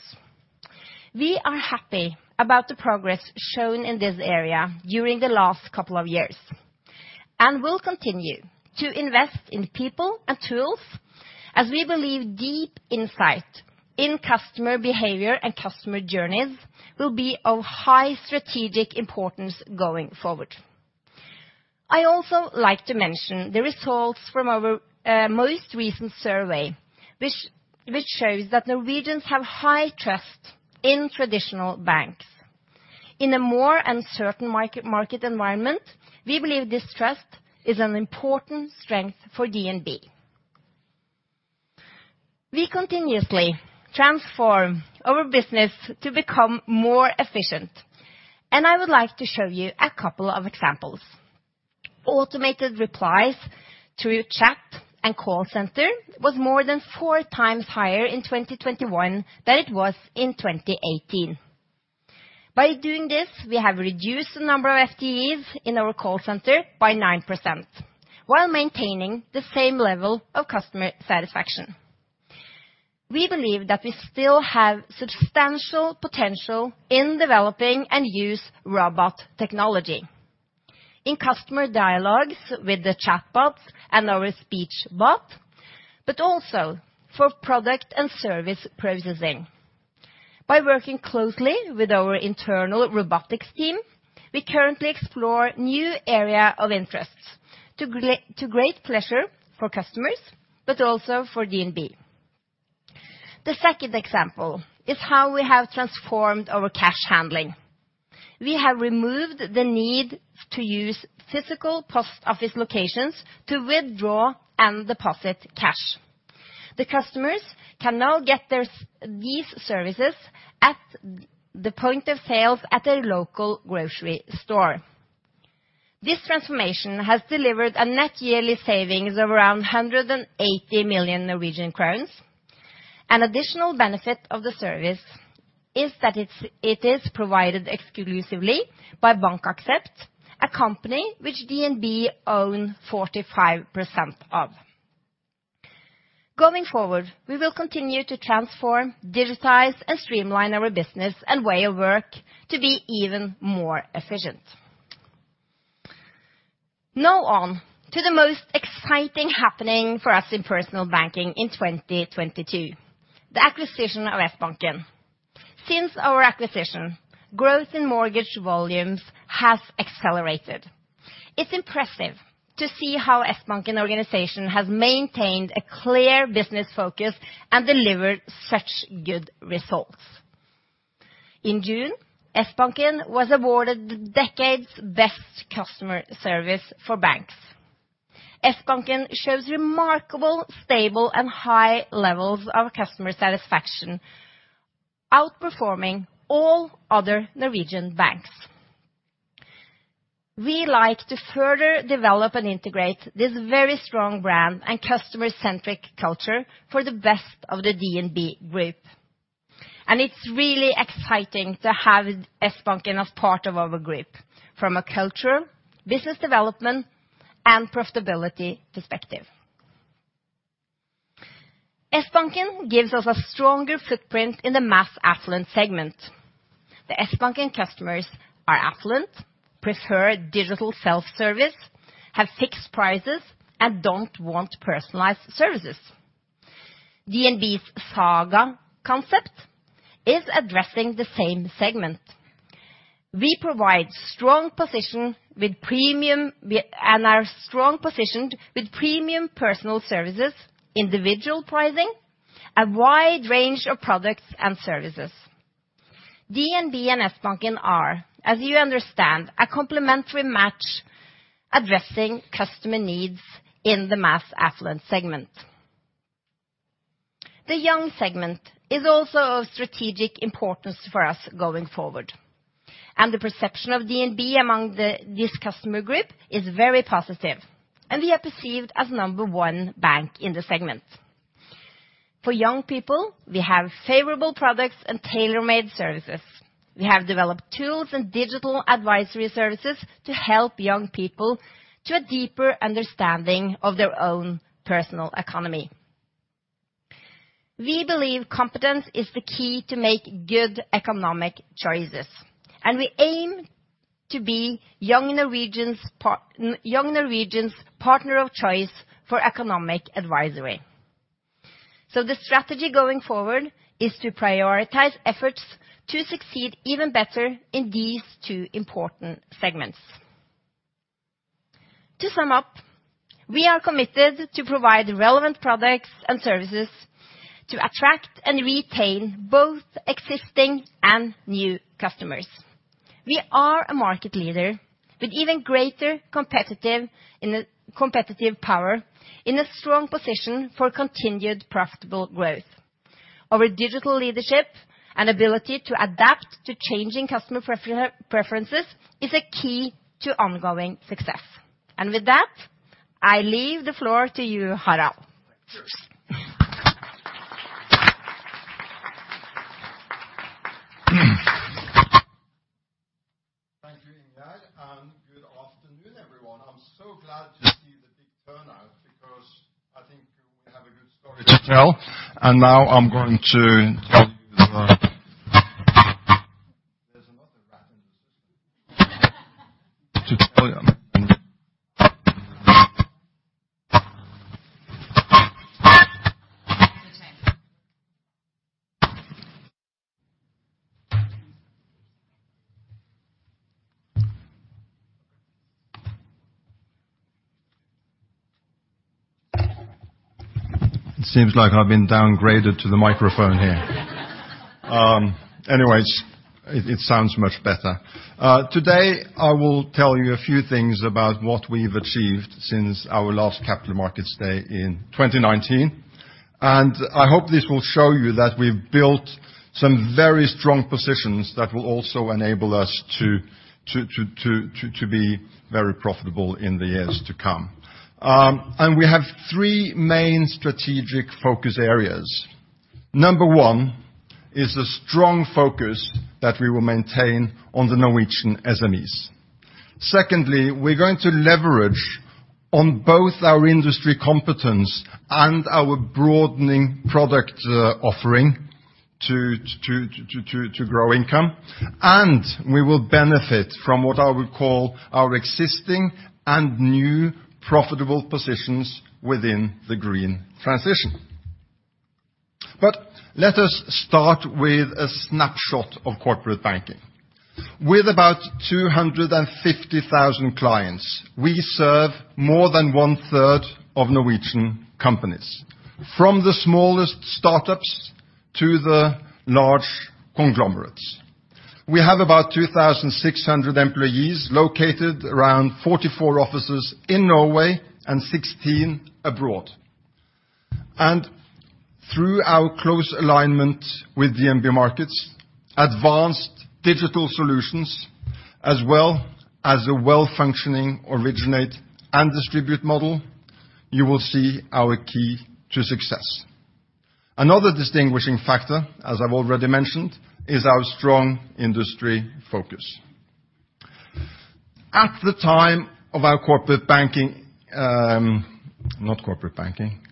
We are happy about the progress shown in this area during the last couple of years and will continue to invest in people and tools, as we believe deep insight in customer behavior and customer journeys will be of high strategic importance going forward. I also like to mention the results from our most recent survey, which shows that Norwegians have high trust in traditional banks. In a more uncertain market environment, we believe this trust is an important strength for DNB. We continuously transform our business to become more efficient, and I would like to show you a couple of examples. Automated replies through chat and call center was more than four times higher in 2021 than it was in 2018. By doing this, we have reduced the number of FTEs in our call center by 9% while maintaining the same level of customer satisfaction. We believe that we still have substantial potential in developing and use robot technology in customer dialogues with the chatbot and our speech bot, but also for product and service processing. By working closely with our internal robotics team, we currently explore new area of interests to great pleasure for customers, but also for DNB. The second example is how we have transformed our cash handling. We have removed the need to use physical post office locations to withdraw and deposit cash. The customers can now get these services at the point of sale at their local grocery store. This transformation has delivered a net yearly savings of around 180 million Norwegian crowns. An additional benefit of the service is that it is provided exclusively by BankAxept, a company which DNB own 45% of. Going forward, we will continue to transform, digitize, and streamline our business and way of work to be even more efficient. Now on to the most exciting happening for us in personal banking in 2022, the acquisition of Sbanken. Since our acquisition, growth in mortgage volumes has accelerated. It's impressive to see how Sbanken organization has maintained a clear business focus and delivered such good results. In June, Sbanken was awarded the decade's best customer service for banks. Sbanken shows remarkable, stable, and high levels of customer satisfaction, outperforming all other Norwegian banks. We like to further develop and integrate this very strong brand and customer-centric culture for the best of the DNB group, and it's really exciting to have Sbanken as part of our group from a culture, business development, and profitability perspective. Sbanken gives us a stronger footprint in the mass affluent segment. The Sbanken customers are affluent, prefer digital self-service, have fixed prices, and don't want personalized services. DNB's Saga concept is addressing the same segment. We provide strong position with premium and are strong positioned with premium personal services, individual pricing, a wide range of products and services. DNB and Sbanken are, as you understand, a complementary match addressing customer needs in the mass affluent segment. The young segment is also of strategic importance for us going forward, and the perception of DNB among this customer group is very positive, and we are perceived as number one bank in the segment. For young people, we have favorable products and tailor-made services. We have developed tools and digital advisory services to help young people to a deeper understanding of their own personal economy. We believe competence is the key to make good economic choices, and we aim to be young Norwegian's partner of choice for economic advisory. The strategy going forward is to prioritize efforts to succeed even better in these two important segments. To sum up, we are committed to provide relevant products and services to attract and retain both existing and new customers. We are a market leader with even greater competitive power in a strong position for continued profitable growth. Our digital leadership and ability to adapt to changing customer preferences is a key to ongoing success. With that, I leave the floor to you, Harald. Thank you. Thank you, Ingjerd, and good afternoon, everyone. I'm so glad to see the big turnout because I think we have a good story to tell. Now I'm going to tell you. It sounds much better. Today, I will tell you a few things about what we've achieved since our last Capital Markets Day in 2019. I hope this will show you that we've built some very strong positions that will also enable us to be very profitable in the years to come. We have three main strategic focus areas. Number one is the strong focus that we will maintain on the Norwegian SMEs. Secondly, we're going to leverage on both our industry competence and our broadening product offering to grow income, and we will benefit from what I would call our existing and new profitable positions within the green transition. Let us start with a snapshot of corporate banking. With about 250,000 clients, we serve more than 1/3 of Norwegian companies, from the smallest startups to the large conglomerates. We have about 2,600 employees located around 44 offices in Norway and 16 abroad. Through our close alignment with DNB Markets, advanced digital solutions, as well as a well-functioning originate and distribute model, you will see our key to success. Another distinguishing factor, as I've already mentioned, is our strong industry focus. At the time of our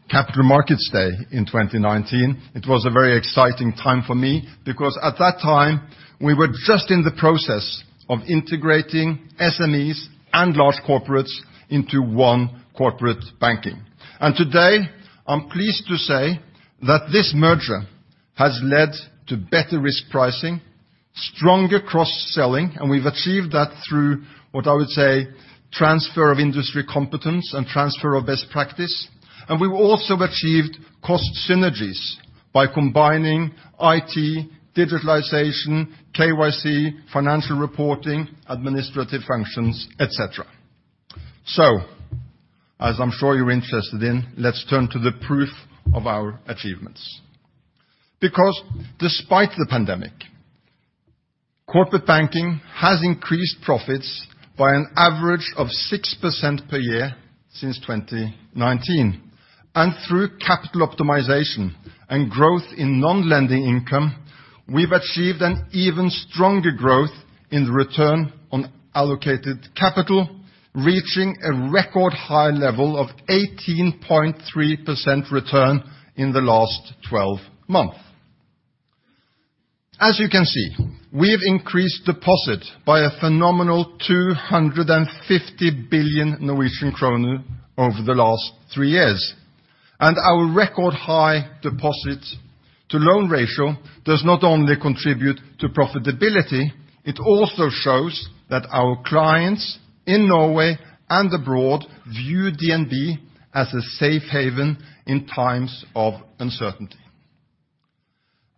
capital markets day in 2019, it was a very exciting time for me because at that time, we were just in the process of integrating SMEs and large corporates into one corporate banking. Today, I'm pleased to say that this merger has led to better risk pricing, stronger cross-selling, and we've achieved that through what I would say, transfer of industry competence and transfer of best practice. We've also achieved cost synergies by combining IT, digitalization, KYC, financial reporting, administrative functions, et cetera. As I'm sure you're interested in, let's turn to the proof of our achievements. Because despite the pandemic, corporate banking has increased profits by an average of 6% per year since 2019. Through capital optimization and growth in non-lending income, we've achieved an even stronger growth in return on allocated capital, reaching a record high level of 18.3% return in the last 12 months. As you can see, we have increased deposit by a phenomenal 250 billion Norwegian kroner over the last 3 years. Our record high deposit to loan ratio does not only contribute to profitability, it also shows that our clients in Norway and abroad view DNB as a safe haven in times of uncertainty.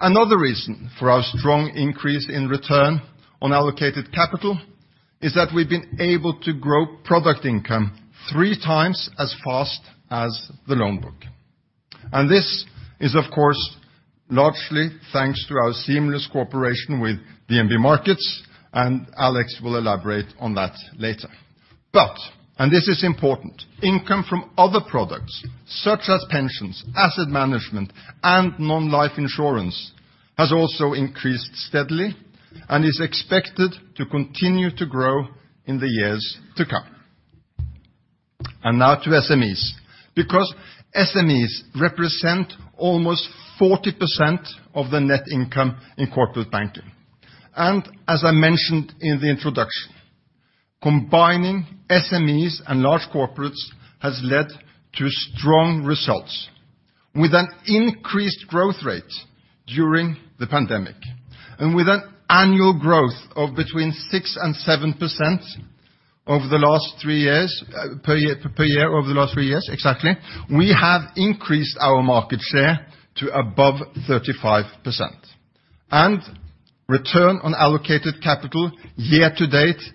Another reason for our strong increase in return on allocated capital is that we've been able to grow product income three times as fast as the loan book. This is, of course, largely thanks to our seamless cooperation with DNB Markets, and Alex will elaborate on that later. This is important, income from other products, such as pensions, asset management, and non-life insurance, has also increased steadily and is expected to continue to grow in the years to come. Now to SMEs, because SMEs represent almost 40% of the net income in corporate banking. As I mentioned in the introduction, combining SMEs and large corporates has led to strong results with an increased growth rate during the pandemic. With an annual growth of between 6%-7% per year over the last three years exactly, we have increased our market share to above 35%. Return on allocated capital year to date is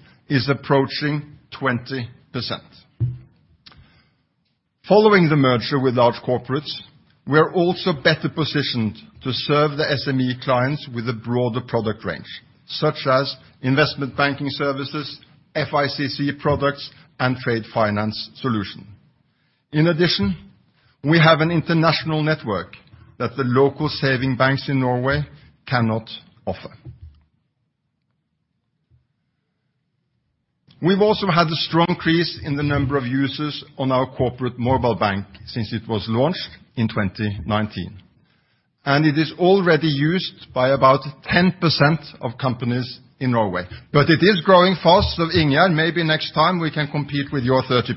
approaching 20%. Following the merger with large corporates, we are also better positioned to serve the SME clients with a broader product range, such as investment banking services, FICC products, and trade finance solution. In addition, we have an international network that the local saving banks in Norway cannot offer. We've also had a strong increase in the number of users on our corporate mobile bank since it was launched in 2019, and it is already used by about 10% of companies in Norway. It is growing fast, so Ingjerd, maybe next time we can compete with your 30%.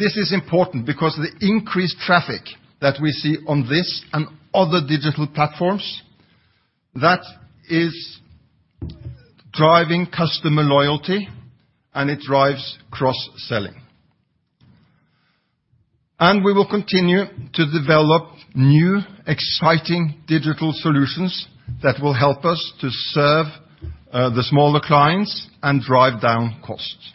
This is important because the increased traffic that we see on this and other digital platforms, that is driving customer loyalty, and it drives cross-selling. We will continue to develop new exciting digital solutions that will help us to serve the smaller clients and drive down costs.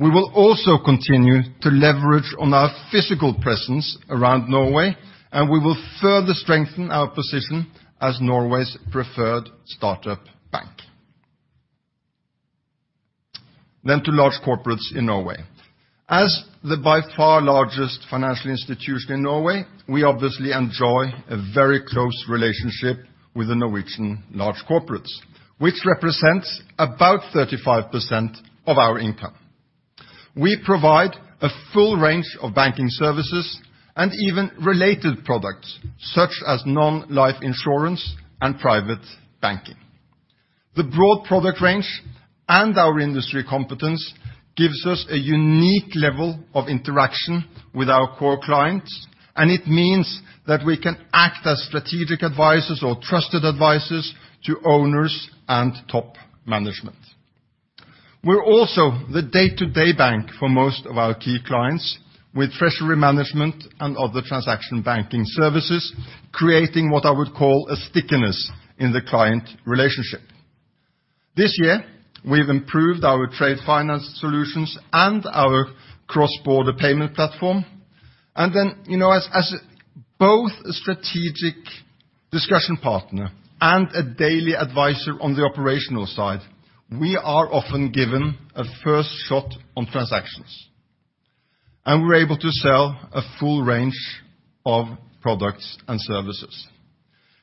We will also continue to leverage on our physical presence around Norway, and we will further strengthen our position as Norway's preferred startup bank. To large corporates in Norway. As the by far largest financial institution in Norway, we obviously enjoy a very close relationship with the Norwegian large corporates, which represents about 35% of our income. We provide a full range of banking services and even related products, such as non-life insurance and private banking. The broad product range and our industry competence gives us a unique level of interaction with our core clients, and it means that we can act as strategic advisors or trusted advisors to owners and top management. We're also the day-to-day bank for most of our key clients with treasury management and other transaction banking services, creating what I would call a stickiness in the client relationship. This year, we've improved our trade finance solutions and our cross-border payment platform. You know, as both a strategic discussion partner and a daily advisor on the operational side, we are often given a first shot on transactions, and we're able to sell a full range of products and services.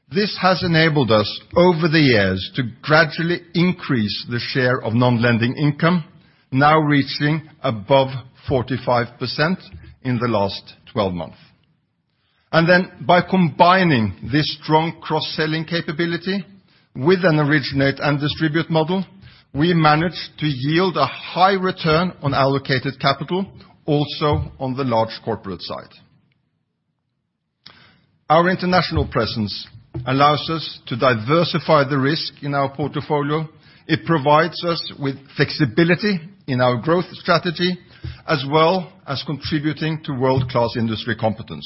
This has enabled us, over the years, to gradually increase the share of non-lending income now reaching above 45% in the last twelve months. By combining this strong cross-selling capability with an originate and distribute model, we manage to yield a high return on allocated capital also on the large corporate side. Our international presence allows us to diversify the risk in our portfolio. It provides us with flexibility in our growth strategy, as well as contributing to world-class industry competence.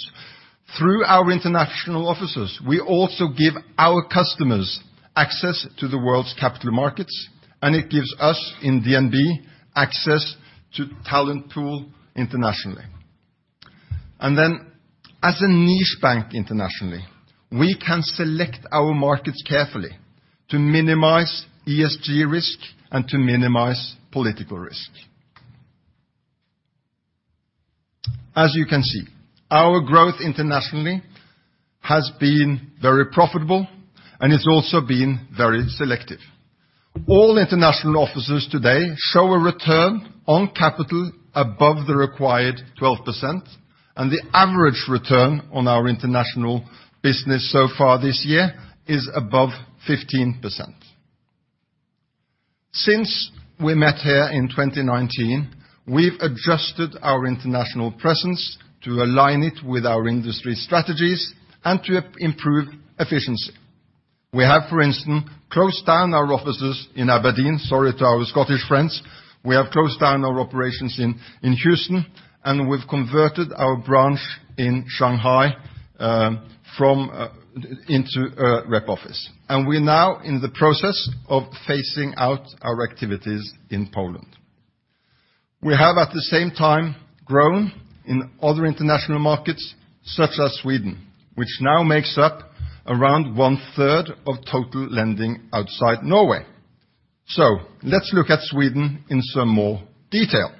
Through our international offices, we also give our customers access to the world's capital markets, and it gives us in DNB access to talent pool internationally. As a niche bank internationally, we can select our markets carefully to minimize ESG risk and to minimize political risk. As you can see, our growth internationally has been very profitable, and it's also been very selective. All international offices today show a return on capital above the required 12%, and the average return on our international business so far this year is above 15%. Since we met here in 2019, we've adjusted our international presence to align it with our industry strategies and to improve efficiency. We have, for instance, closed down our offices in Aberdeen. Sorry to our Scottish friends. We have closed down our operations in Houston, and we've converted our branch in Shanghai from into a rep office. We're now in the process of phasing out our activities in Poland. We have, at the same time, grown in other international markets, such as Sweden, which now makes up around 1/3 of total lending outside Norway. Let's look at Sweden in some more detail,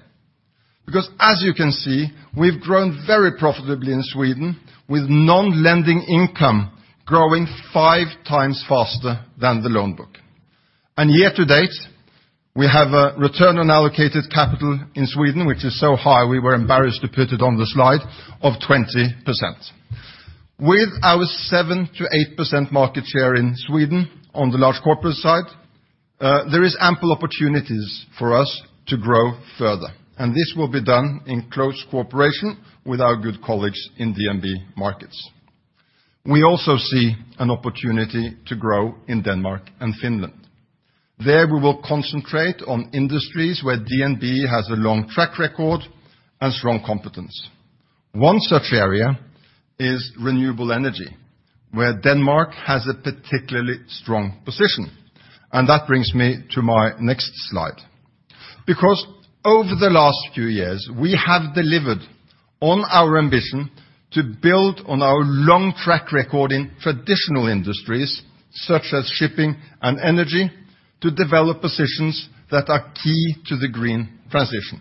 because as you can see, we've grown very profitably in Sweden with non-lending income growing five times faster than the loan book. Year to date, we have a return on allocated capital in Sweden, which is so high we were embarrassed to put it on the slide, of 20%. With our 7%-8% market share in Sweden on the large corporate side, there is ample opportunities for us to grow further, and this will be done in close cooperation with our good colleagues in DNB Markets. We also see an opportunity to grow in Denmark and Finland. There we will concentrate on industries where DNB has a long track record and strong competence. One such area is renewable energy, where Denmark has a particularly strong position, and that brings me to my next slide. Because over the last few years, we have delivered on our ambition to build on our long track record in traditional industries, such as shipping and energy, to develop positions that are key to the green transition.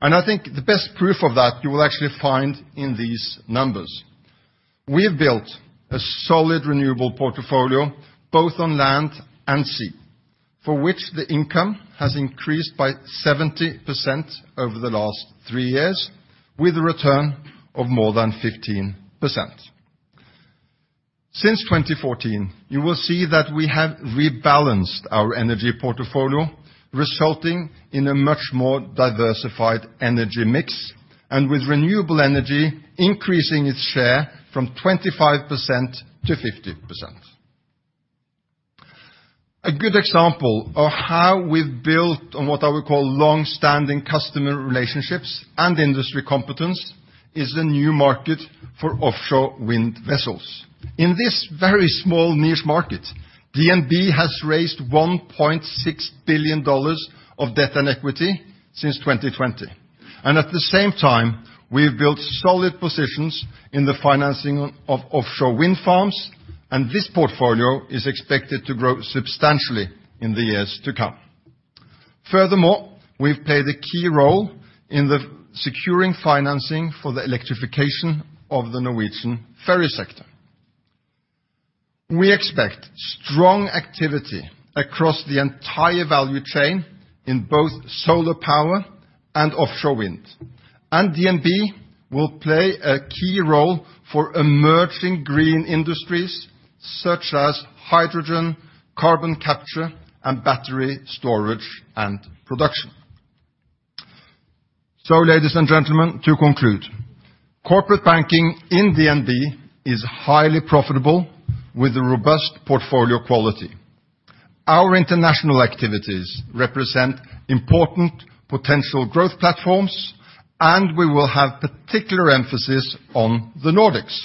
I think the best proof of that you will actually find in these numbers. We have built a solid renewable portfolio, both on land and sea, for which the income has increased by 70% over the last three years with a return of more than 15%. Since 2014, you will see that we have rebalanced our energy portfolio, resulting in a much more diversified energy mix, and with renewable energy increasing its share from 25% to 50%. A good example of how we've built on what I would call longstanding customer relationships and industry competence is the new market for offshore wind vessels. In this very small niche market, DNB has raised $1.6 billion of debt and equity since 2020. At the same time, we have built solid positions in the financing of offshore wind farms, and this portfolio is expected to grow substantially in the years to come. Furthermore, we've played a key role in the securing financing for the electrification of the Norwegian ferry sector. We expect strong activity across the entire value chain in both solar power and offshore wind. DNB will play a key role for emerging green industries such as hydrogen, carbon capture, and battery storage and production. Ladies and gentlemen, to conclude, corporate banking in DNB is highly profitable with a robust portfolio quality. Our international activities represent important potential growth platforms, and we will have particular emphasis on the Nordics.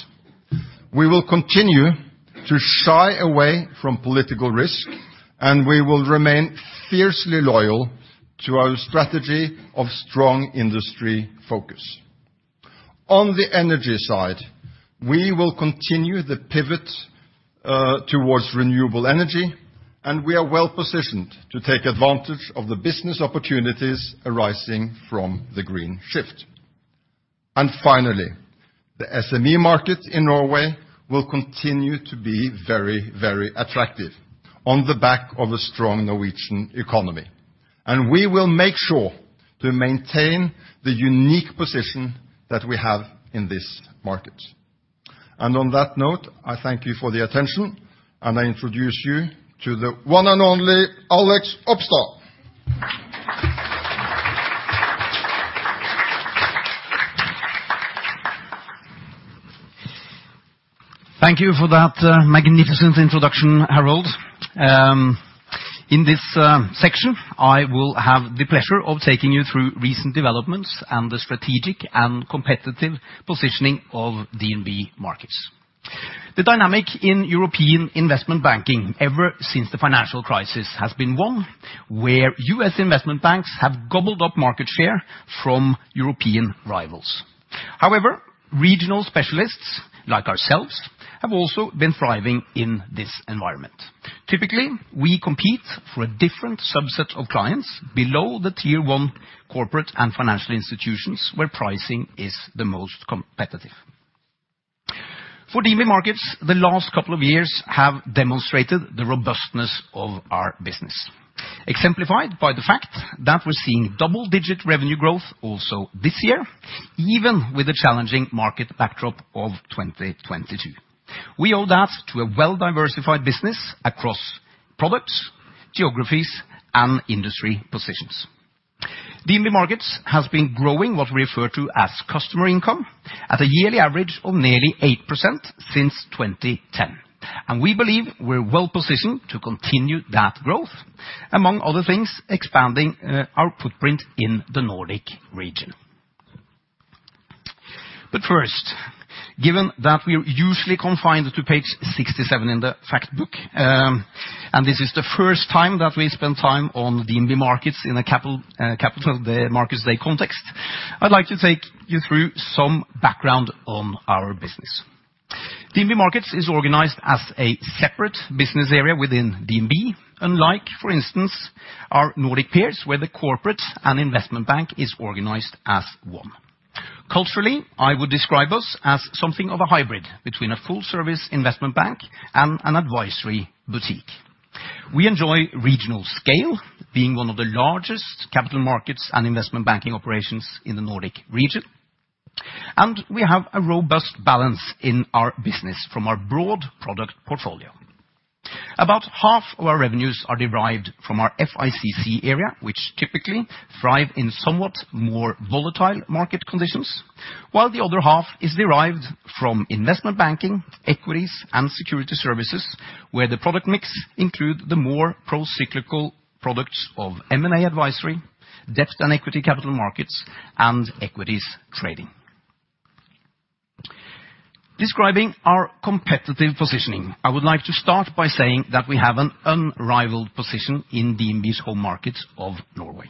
We will continue to shy away from political risk, and we will remain fiercely loyal to our strategy of strong industry focus. On the energy side, we will continue the pivot, towards renewable energy, and we are well positioned to take advantage of the business opportunities arising from the green shift. Finally, the SME market in Norway will continue to be very, very attractive on the back of a strong Norwegian economy, and we will make sure to maintain the unique position that we have in this market. On that note, I thank you for the attention, and I introduce you to the one and only Alexander Opstad. Thank you for that magnificent introduction, Harald. In this section, I will have the pleasure of taking you through recent developments and the strategic and competitive positioning of DNB Markets. The dynamic in European investment banking ever since the financial crisis has been one where US investment banks have gobbled up market share from European rivals. However, regional specialists like ourselves have also been thriving in this environment. Typically, we compete for a different subset of clients below the tier one corporate and financial institutions where pricing is the most competitive. For DNB Markets, the last couple of years have demonstrated the robustness of our business, exemplified by the fact that we're seeing double-digit revenue growth also this year, even with the challenging market backdrop of 2022. We owe that to a well-diversified business across products, geographies, and industry positions. DNB Markets has been growing what we refer to as customer income at a yearly average of nearly 8% since 2010, and we believe we're well positioned to continue that growth, among other things, expanding our footprint in the Nordic region. First, given that we're usually confined to page 67 in the fact book, and this is the first time that we spend time on DNB Markets in a capital markets day context, I'd like to take you through some background on our business. DNB Markets is organized as a separate business area within DNB, unlike, for instance, our Nordic peers, where the corporate and investment bank is organized as one. Culturally, I would describe us as something of a hybrid between a full-service investment bank and an advisory boutique. We enjoy regional scale, being one of the largest capital markets and investment banking operations in the Nordic region, and we have a robust balance in our business from our broad product portfolio. About half of our revenues are derived from our FICC area, which typically thrive in somewhat more volatile market conditions, while the other half is derived from investment banking, equities, and security services, where the product mix include the more pro-cyclical products of M&A advisory, debt and equity capital markets, and equities trading. Describing our competitive positioning, I would like to start by saying that we have an unrivaled position in DNB's home markets of Norway.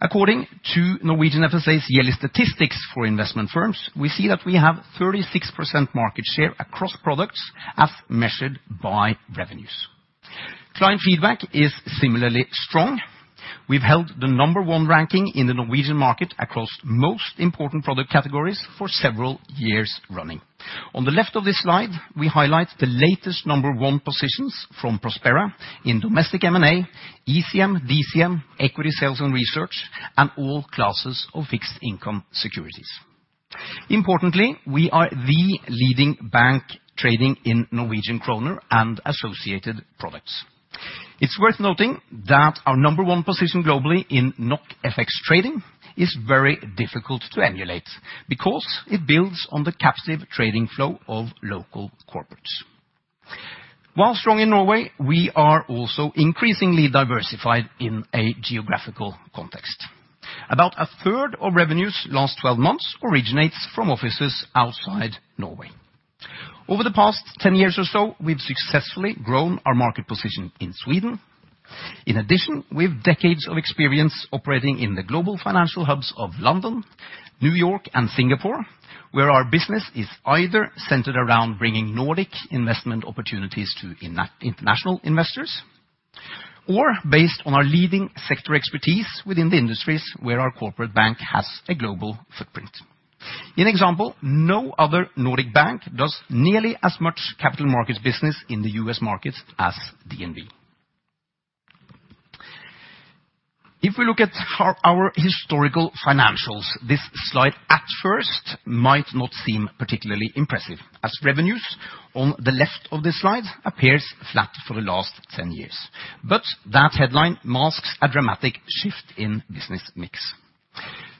According to Norwegian FSA's yearly statistics for investment firms, we see that we have 36% market share across products as measured by revenues. Client feedback is similarly strong. We've held the number one ranking in the Norwegian market across most important product categories for several years running. On the left of this slide, we highlight the latest number one positions from Prospera in domestic M&A, ECM, DCM, equity sales and research, and all classes of fixed income securities. Importantly, we are the leading bank trading in Norwegian kroner and associated products. It's worth noting that our number one position globally in NOKFX trading is very difficult to emulate because it builds on the captive trading flow of local corporates. While strong in Norway, we are also increasingly diversified in a geographical context. About 1/3 of revenues last 12 months originates from offices outside Norway. Over the past 10 years or so, we've successfully grown our market position in Sweden. In addition, we have decades of experience operating in the global financial hubs of London, New York, and Singapore, where our business is either centered around bringing Nordic investment opportunities to international investors or based on our leading sector expertise within the industries where our corporate bank has a global footprint. For example, no other Nordic bank does nearly as much capital markets business in the U.S. markets as DNB. If we look at our historical financials, this slide at first might not seem particularly impressive, as revenues on the left of the slide appears flat for the last 10 years. That headline masks a dramatic shift in business mix.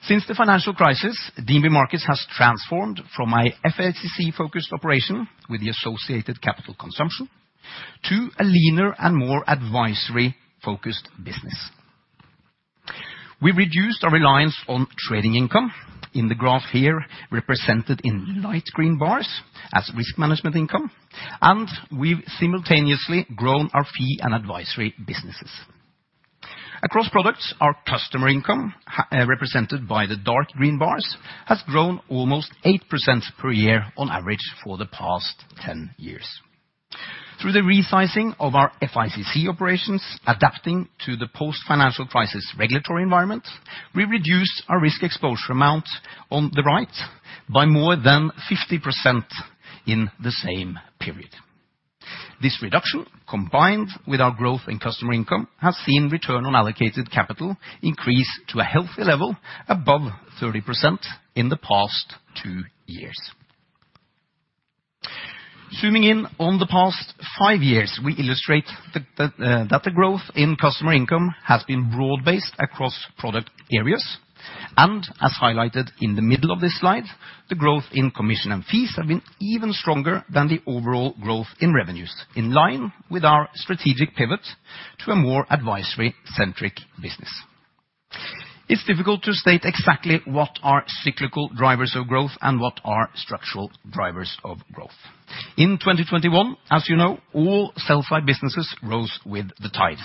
Since the financial crisis, DNB Markets has transformed from a FICC-focused operation with the associated capital consumption to a leaner and more advisory-focused business. We reduced our reliance on trading income in the graph here represented in light green bars as risk management income, and we've simultaneously grown our fee and advisory businesses. Across products, our customer income represented by the dark green bars has grown almost 8% per year on average for the past 10 years. Through the resizing of our FICC operations adapting to the post-financial crisis regulatory environment, we reduced our risk exposure amount on the right by more than 50% in the same period. This reduction, combined with our growth in customer income, has seen return on allocated capital increase to a healthy level above 30% in the past 2 years. Zooming in on the past 5 years, we illustrate that the growth in customer income has been broad-based across product areas. As highlighted in the middle of this slide, the growth in commission and fees have been even stronger than the overall growth in revenues, in line with our strategic pivot to a more advisory-centric business. It's difficult to state exactly what are cyclical drivers of growth and what are structural drivers of growth. In 2021, as you know, all sell-side businesses rose with the tide.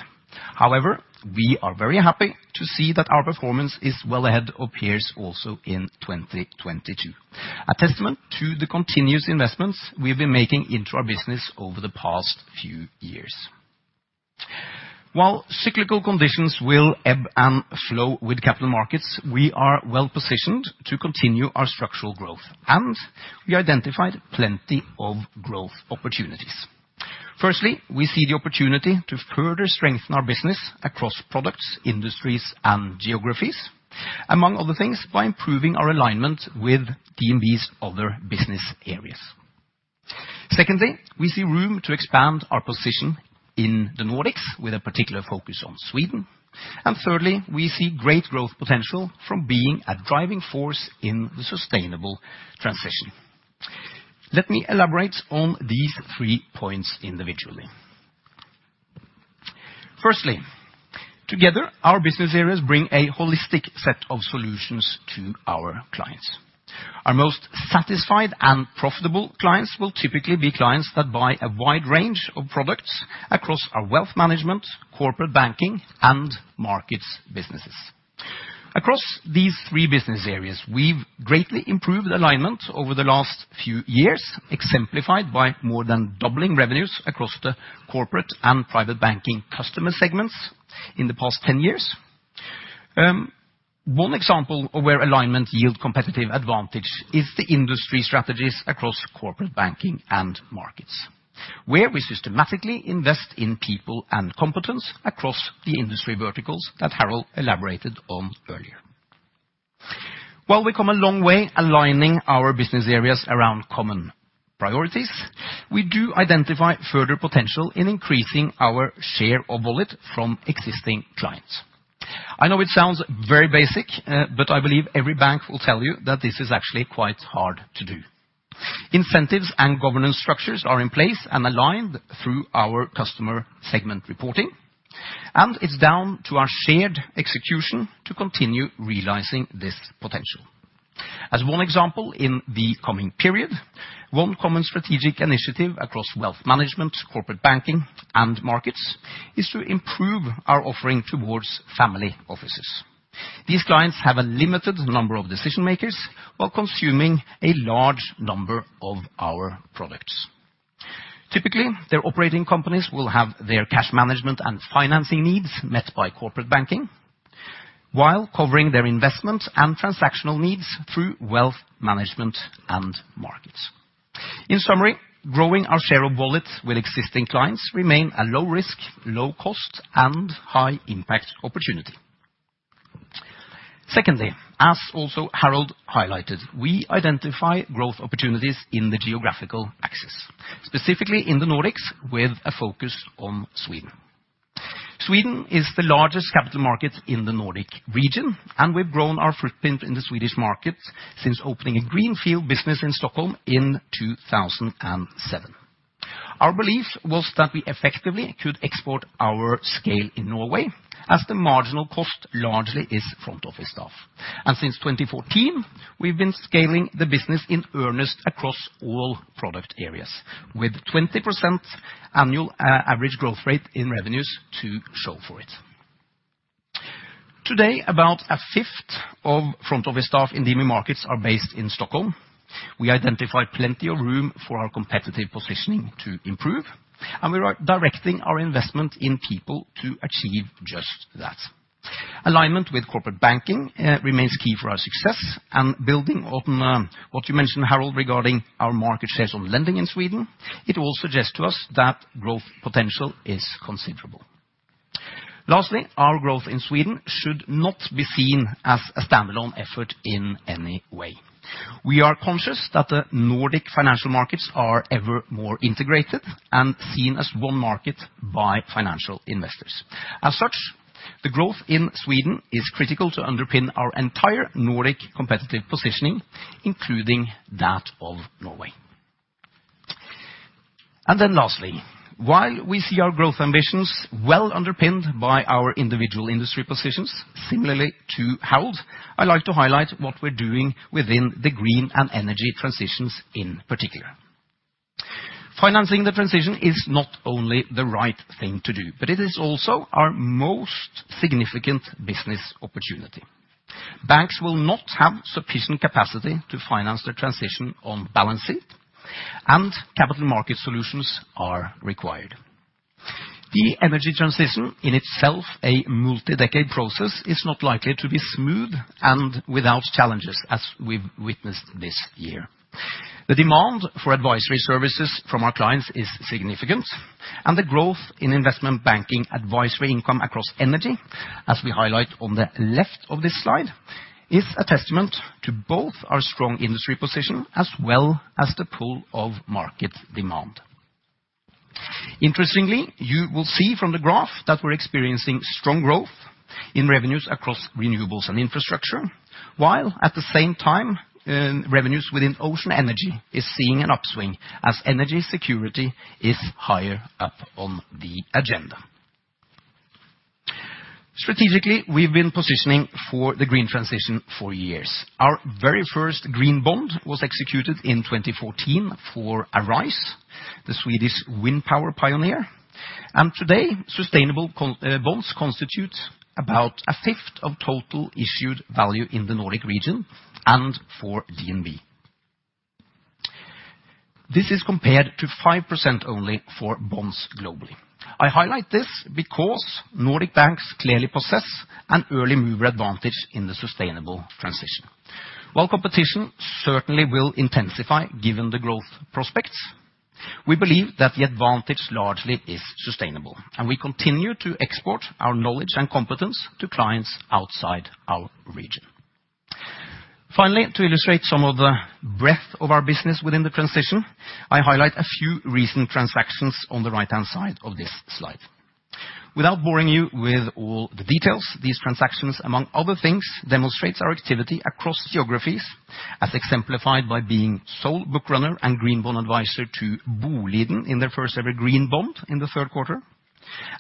However, we are very happy to see that our performance is well ahead of peers also in 2022, a testament to the continuous investments we've been making into our business over the past few years. While cyclical conditions will ebb and flow with capital markets, we are well positioned to continue our structural growth, and we identified plenty of growth opportunities. Firstly, we see the opportunity to further strengthen our business across products, industries, and geographies, among other things, by improving our alignment with DNB's other business areas. Secondly, we see room to expand our position in the Nordics with a particular focus on Sweden. Thirdly, we see great growth potential from being a driving force in the sustainable transition. Let me elaborate on these three points individually. Firstly, together our business areas bring a holistic set of solutions to our clients. Our most satisfied and profitable clients will typically be clients that buy a wide range of products across our wealth management, corporate banking, and markets businesses. Across these three business areas, we've greatly improved alignment over the last few years, exemplified by more than doubling revenues across the corporate and private banking customer segments in the past 10 years. One example of where alignment yield competitive advantage is the industry strategies across corporate banking and markets, where we systematically invest in people and competence across the industry verticals that Harald elaborated on earlier. While we come a long way aligning our business areas around common priorities, we do identify further potential in increasing our share of wallet from existing clients. I know it sounds very basic, but I believe every bank will tell you that this is actually quite hard to do. Incentives and governance structures are in place and aligned through our customer segment reporting, and it's down to our shared execution to continue realizing this potential. As one example in the coming period, one common strategic initiative across wealth management, corporate banking, and markets is to improve our offering towards family offices. These clients have a limited number of decision makers while consuming a large number of our products. Typically, their operating companies will have their cash management and financing needs met by corporate banking while covering their investment and transactional needs through wealth management and markets. In summary, growing our share of wallet with existing clients remain a low risk, low cost, and high impact opportunity. Secondly, as also Harald highlighted, we identify growth opportunities in the geographical axis, specifically in the Nordics with a focus on Sweden. Sweden is the largest capital market in the Nordic region, and we've grown our footprint in the Swedish market since opening a greenfield business in Stockholm in 2007. Our belief was that we effectively could export our scale in Norway as the marginal cost largely is front office staff. Since 2014, we've been scaling the business in earnest across all product areas with 20% annual average growth rate in revenues to show for it. Today, about a fifth of front office staff in DNB Markets are based in Stockholm. We identify plenty of room for our competitive positioning to improve, and we are directing our investment in people to achieve just that. Alignment with corporate banking remains key for our success. Building on what you mentioned, Harald, regarding our market shares on lending in Sweden, it all suggests to us that growth potential is considerable. Lastly, our growth in Sweden should not be seen as a standalone effort in any way. We are conscious that the Nordic financial markets are ever more integrated and seen as one market by financial investors. As such, the growth in Sweden is critical to underpin our entire Nordic competitive positioning, including that of Norway. Then lastly, while we see our growth ambitions well underpinned by our individual industry positions, similarly to Harald, I like to highlight what we're doing within the green and energy transitions in particular. Financing the transition is not only the right thing to do, but it is also our most significant business opportunity. Banks will not have sufficient capacity to finance the transition on balance sheet, and capital market solutions are required. The energy transition, in itself a multi-decade process, is not likely to be smooth and without challenges, as we've witnessed this year. The demand for advisory services from our clients is significant, and the growth in investment banking advisory income across energy, as we highlight on the left of this slide, is a testament to both our strong industry position as well as the pull of market demand. Interestingly, you will see from the graph that we're experiencing strong growth in revenues across renewables and infrastructure, while at the same time, revenues within ocean energy is seeing an upswing as energy security is higher up on the agenda. Strategically, we've been positioning for the green transition for years. Our very first green bond was executed in 2014 for Arise, the Swedish wind power pioneer. Today, sustainable bonds constitute about a fifth of total issued value in the Nordic region and for DNB. This is compared to 5% only for bonds globally. I highlight this because Nordic banks clearly possess an early mover advantage in the sustainable transition. While competition certainly will intensify given the growth prospects, we believe that the advantage largely is sustainable, and we continue to export our knowledge and competence to clients outside our region. Finally, to illustrate some of the breadth of our business within the transition, I highlight a few recent transactions on the right-hand side of this slide. Without boring you with all the details, these transactions, among other things, demonstrates our activity across geographies, as exemplified by being sole bookrunner and green bond advisor to Boliden in their first ever green bond in the third quarter,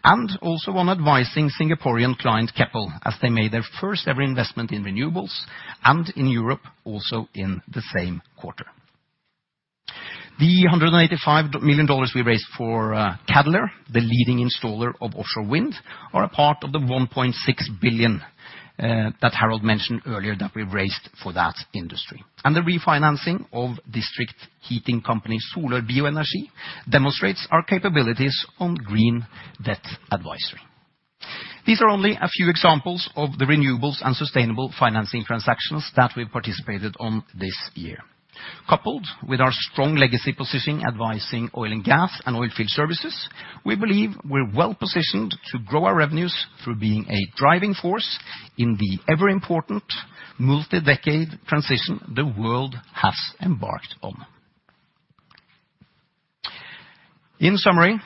and also on advising Singaporean client Keppel, as they made their first ever investment in renewables and in Europe also in the same quarter. The $185 million we raised for Cadeler, the leading installer of offshore wind, are a part of the $1.6 billion that Harald mentioned earlier that we've raised for that industry. The refinancing of district heating company Solør Bioenergi demonstrates our capabilities on green debt advisory. These are only a few examples of the renewables and sustainable financing transactions that we've participated on this year. Coupled with our strong legacy positioning advising oil and gas and oilfield services, we believe we're well positioned to grow our revenues through being a driving force in the ever important multi-decade transition the world has embarked on. In summary,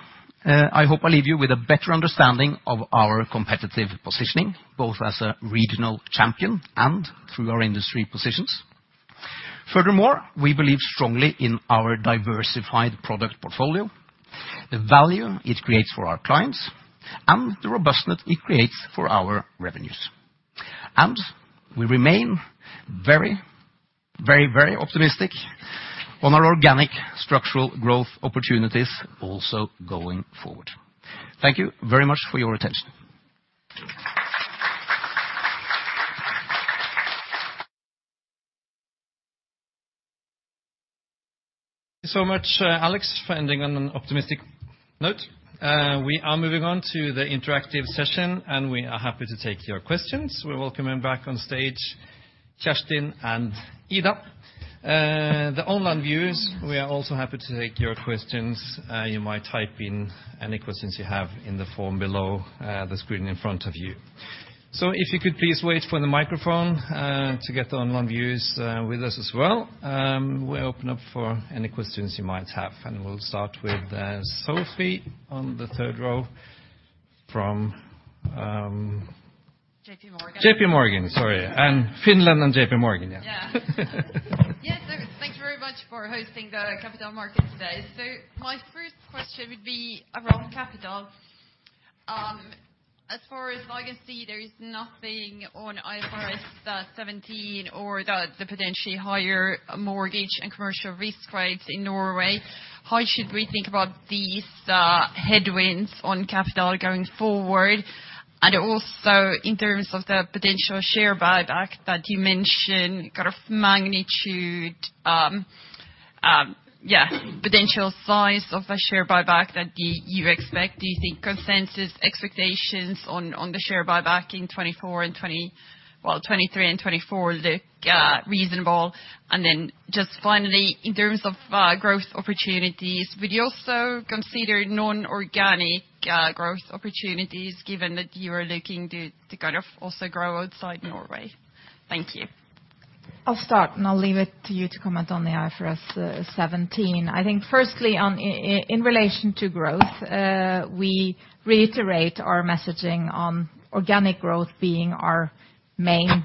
I hope I leave you with a better understanding of our competitive positioning, both as a regional champion and through our industry positions. Furthermore, we believe strongly in our diversified product portfolio, the value it creates for our clients, and the robustness it creates for our revenues. We remain very optimistic on our organic structural growth opportunities also going forward. Thank you very much for your attention. So much, Alex, for ending on an optimistic note. We are moving on to the interactive session, and we are happy to take your questions. We welcome him back on stage, Kjerstin and Ida. The online viewers, we are also happy to take your questions. You might type in any questions you have in the form below, the screen in front of you. If you could please wait for the microphone, to get the online viewers, with us as well, we'll open up for any questions you might have. We'll start with, Sofie on the third row from, JP Morgan. JP Morgan, sorry. Finland and JP Morgan, yeah. Yeah. Yes, thank you very much for hosting the Capital Market today. My first question would be around capital. As far as I can see, there is nothing on IFRS 17 or the potentially higher mortgage and commercial risk rates in Norway. How should we think about these headwinds on capital going forward? And also in terms of the potential share buyback that you mentioned, kind of magnitude. Yeah, potential size of a share buyback that do you expect, do you think consensus expectations on the share buyback in 2023 and 2024 look reasonable. Just finally, in terms of growth opportunities, would you also consider non-organic growth opportunities given that you are looking to kind of also grow outside Norway? Thank you. I'll start, and I'll leave it to you to comment on the IFRS 17. I think firstly, in relation to growth, we reiterate our messaging on organic growth being our main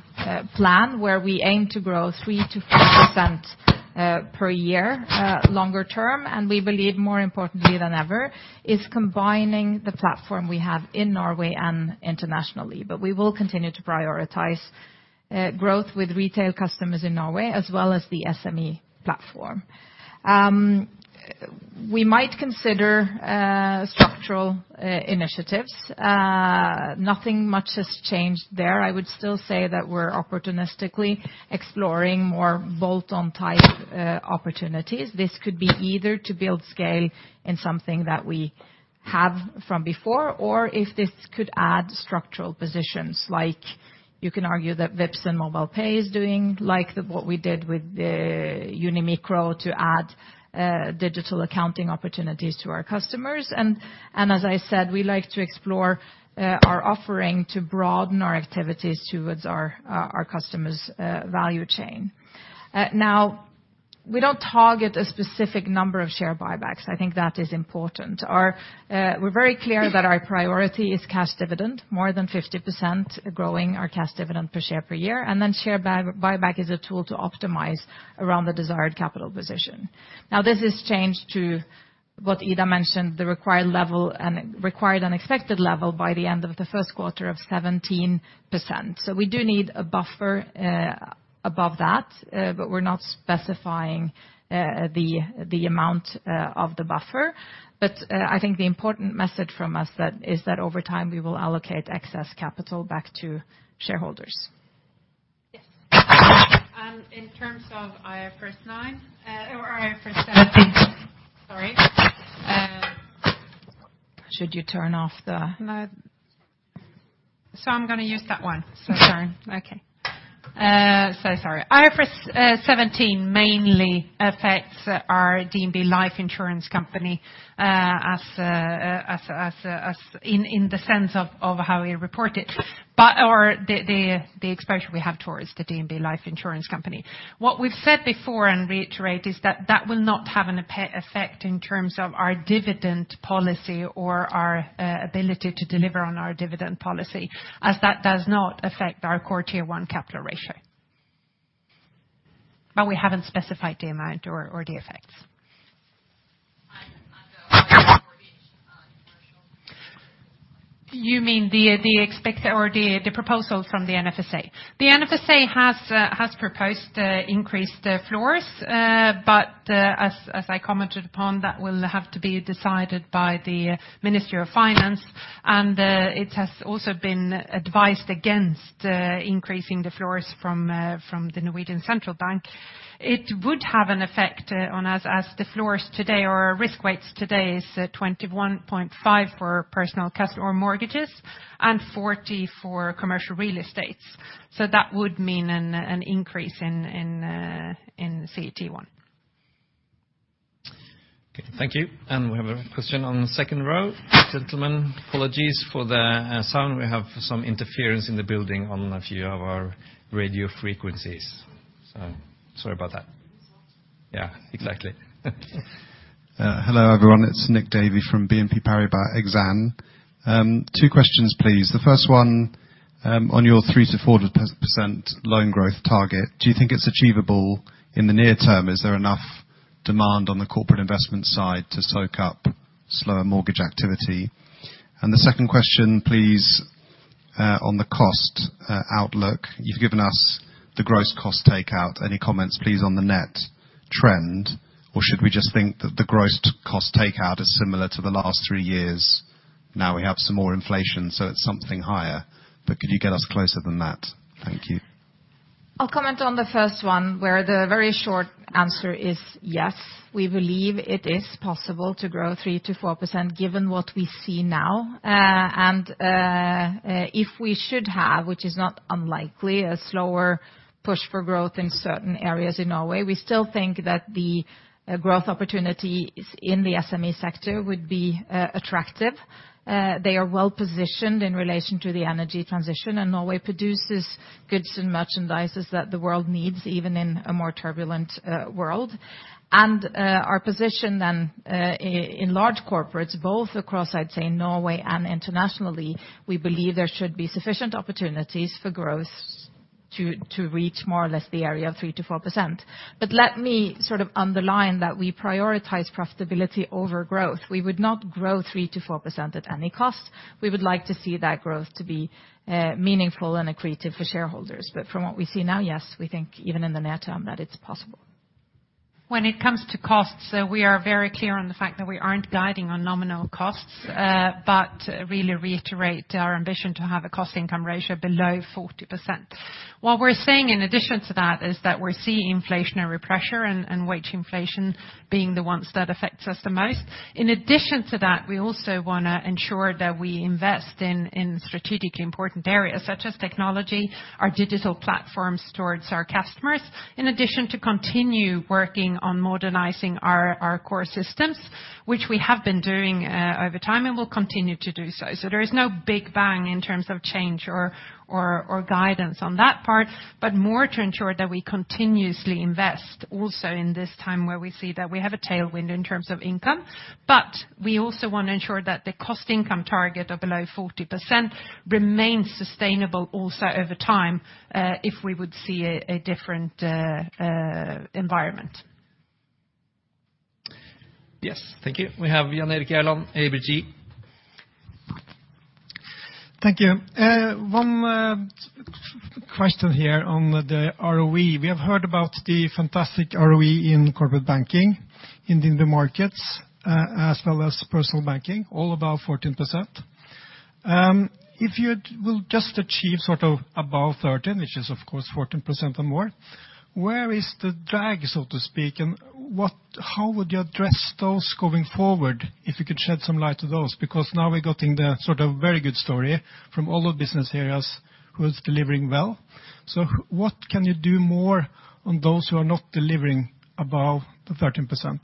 plan, where we aim to grow 3%-4% per year longer term. We believe more importantly than ever is combining the platform we have in Norway and internationally. We will continue to prioritize growth with retail customers in Norway as well as the SME platform. We might consider structural initiatives. Nothing much has changed there. I would still say that we're opportunistically exploring more bolt-on type opportunities. This could be either to build scale in something that we have from before, or if this could add structural positions, like you can argue that Vipps and MobilePay is doing, like what we did with the UniMicro to add digital accounting opportunities to our customers. As I said, we like to explore our offering to broaden our activities towards our customers' value chain. Now, we don't target a specific number of share buybacks. I think that is important. We're very clear that our priority is cash dividend, more than 50% growing our cash dividend per share per year, and then share buyback is a tool to optimize around the desired capital position. Now, this has changed to what Ida mentioned, the required level and required unexpected level by the end of the first quarter to 17%. We do need a buffer above that, but we're not specifying the amount of the buffer. I think the important message from us that is that over time, we will allocate excess capital back to shareholders. Yes. In terms of IFRS 9 or IFRS 17, sorry. Should you turn off the... No. I'm gonna use that one. Sorry. Okay. So sorry. IFRS 17 mainly affects our DNB life insurance company in the sense of how we report it or the exposure we have towards the DNB life insurance company. What we've said before and reiterate is that that will not have an effect in terms of our dividend policy or our ability to deliver on our dividend policy, as that does not affect our Core Tier 1 capital ratio. We haven't specified the amount or the effects. And the commercial. You mean the expected or the proposal from the NFSA? The NFSA has proposed increased floors, but as I commented upon, that will have to be decided by the Ministry of Finance. It has also been advised against increasing the floors from Norges Bank. It would have an effect on us as the floors today or our risk weights today is 21.5% for personal customer mortgages and 40% for commercial real estate. That would mean an increase in CET1. Okay. Thank you. We have a question on the second row. Gentlemen, apologies for the sound. We have some interference in the building on a few of our radio frequencies. Sorry about that. Yeah, exactly. Hello, everyone. It's Nick Davey from BNP Paribas Exane. Two questions, please. The first one, on your 3%-4% loan growth target, do you think it's achievable in the near term? Is there enough demand on the corporate investment side to soak up slower mortgage activity? The second question, please, on the cost outlook. You've given us the gross cost takeout. Any comments, please, on the net trend? Or should we just think that the gross cost takeout is similar to the last three years? Now we have some more inflation, so it's something higher. Could you get us closer than that? Thank you. I'll comment on the first one, where the very short answer is yes. We believe it is possible to grow 3%-4% given what we see now. If we should have, which is not unlikely, a slower push for growth in certain areas in Norway, we still think that the growth opportunities in the SME sector would be attractive. They are well-positioned in relation to the energy transition, and Norway produces goods and merchandises that the world needs, even in a more turbulent world. Our position then in large corporates, both across, I'd say, Norway and internationally, we believe there should be sufficient opportunities for growth to reach more or less the area of 3%-4%. Let me sort of underline that we prioritize profitability over growth. We would not grow 3%-4% at any cost. We would like to see that growth to be meaningful and accretive for shareholders. From what we see now, yes, we think even in the near term that it's possible. When it comes to costs, we are very clear on the fact that we aren't guiding on nominal costs, but really reiterate our ambition to have a cost income ratio below 40%. What we're saying in addition to that is that we're seeing inflationary pressure and wage inflation being the ones that affects us the most. In addition to that, we also wanna ensure that we invest in strategically important areas such as technology, our digital platforms towards our customers, in addition to continue working on modernizing our core systems, which we have been doing over time and will continue to do so. There is no big bang in terms of change or guidance on that part, but more to ensure that we continuously invest also in this time where we see that we have a tailwind in terms of income. We also wanna ensure that the cost income target of below 40% remains sustainable also over time, if we would see a different environment. Yes. Thank you. We have Jan Erik Gjerland, ABG. Thank you. One question here on the ROE. We have heard about the fantastic ROE in corporate banking, in the markets, as well as personal banking, all about 14%. If you will just achieve sort of above 13%, which is of course 14% or more, where is the drag, so to speak, and how would you address those going forward? If you could shed some light to those, because now we're getting the sort of very good story from all the business areas who is delivering well. What can you do more on those who are not delivering above the 13%?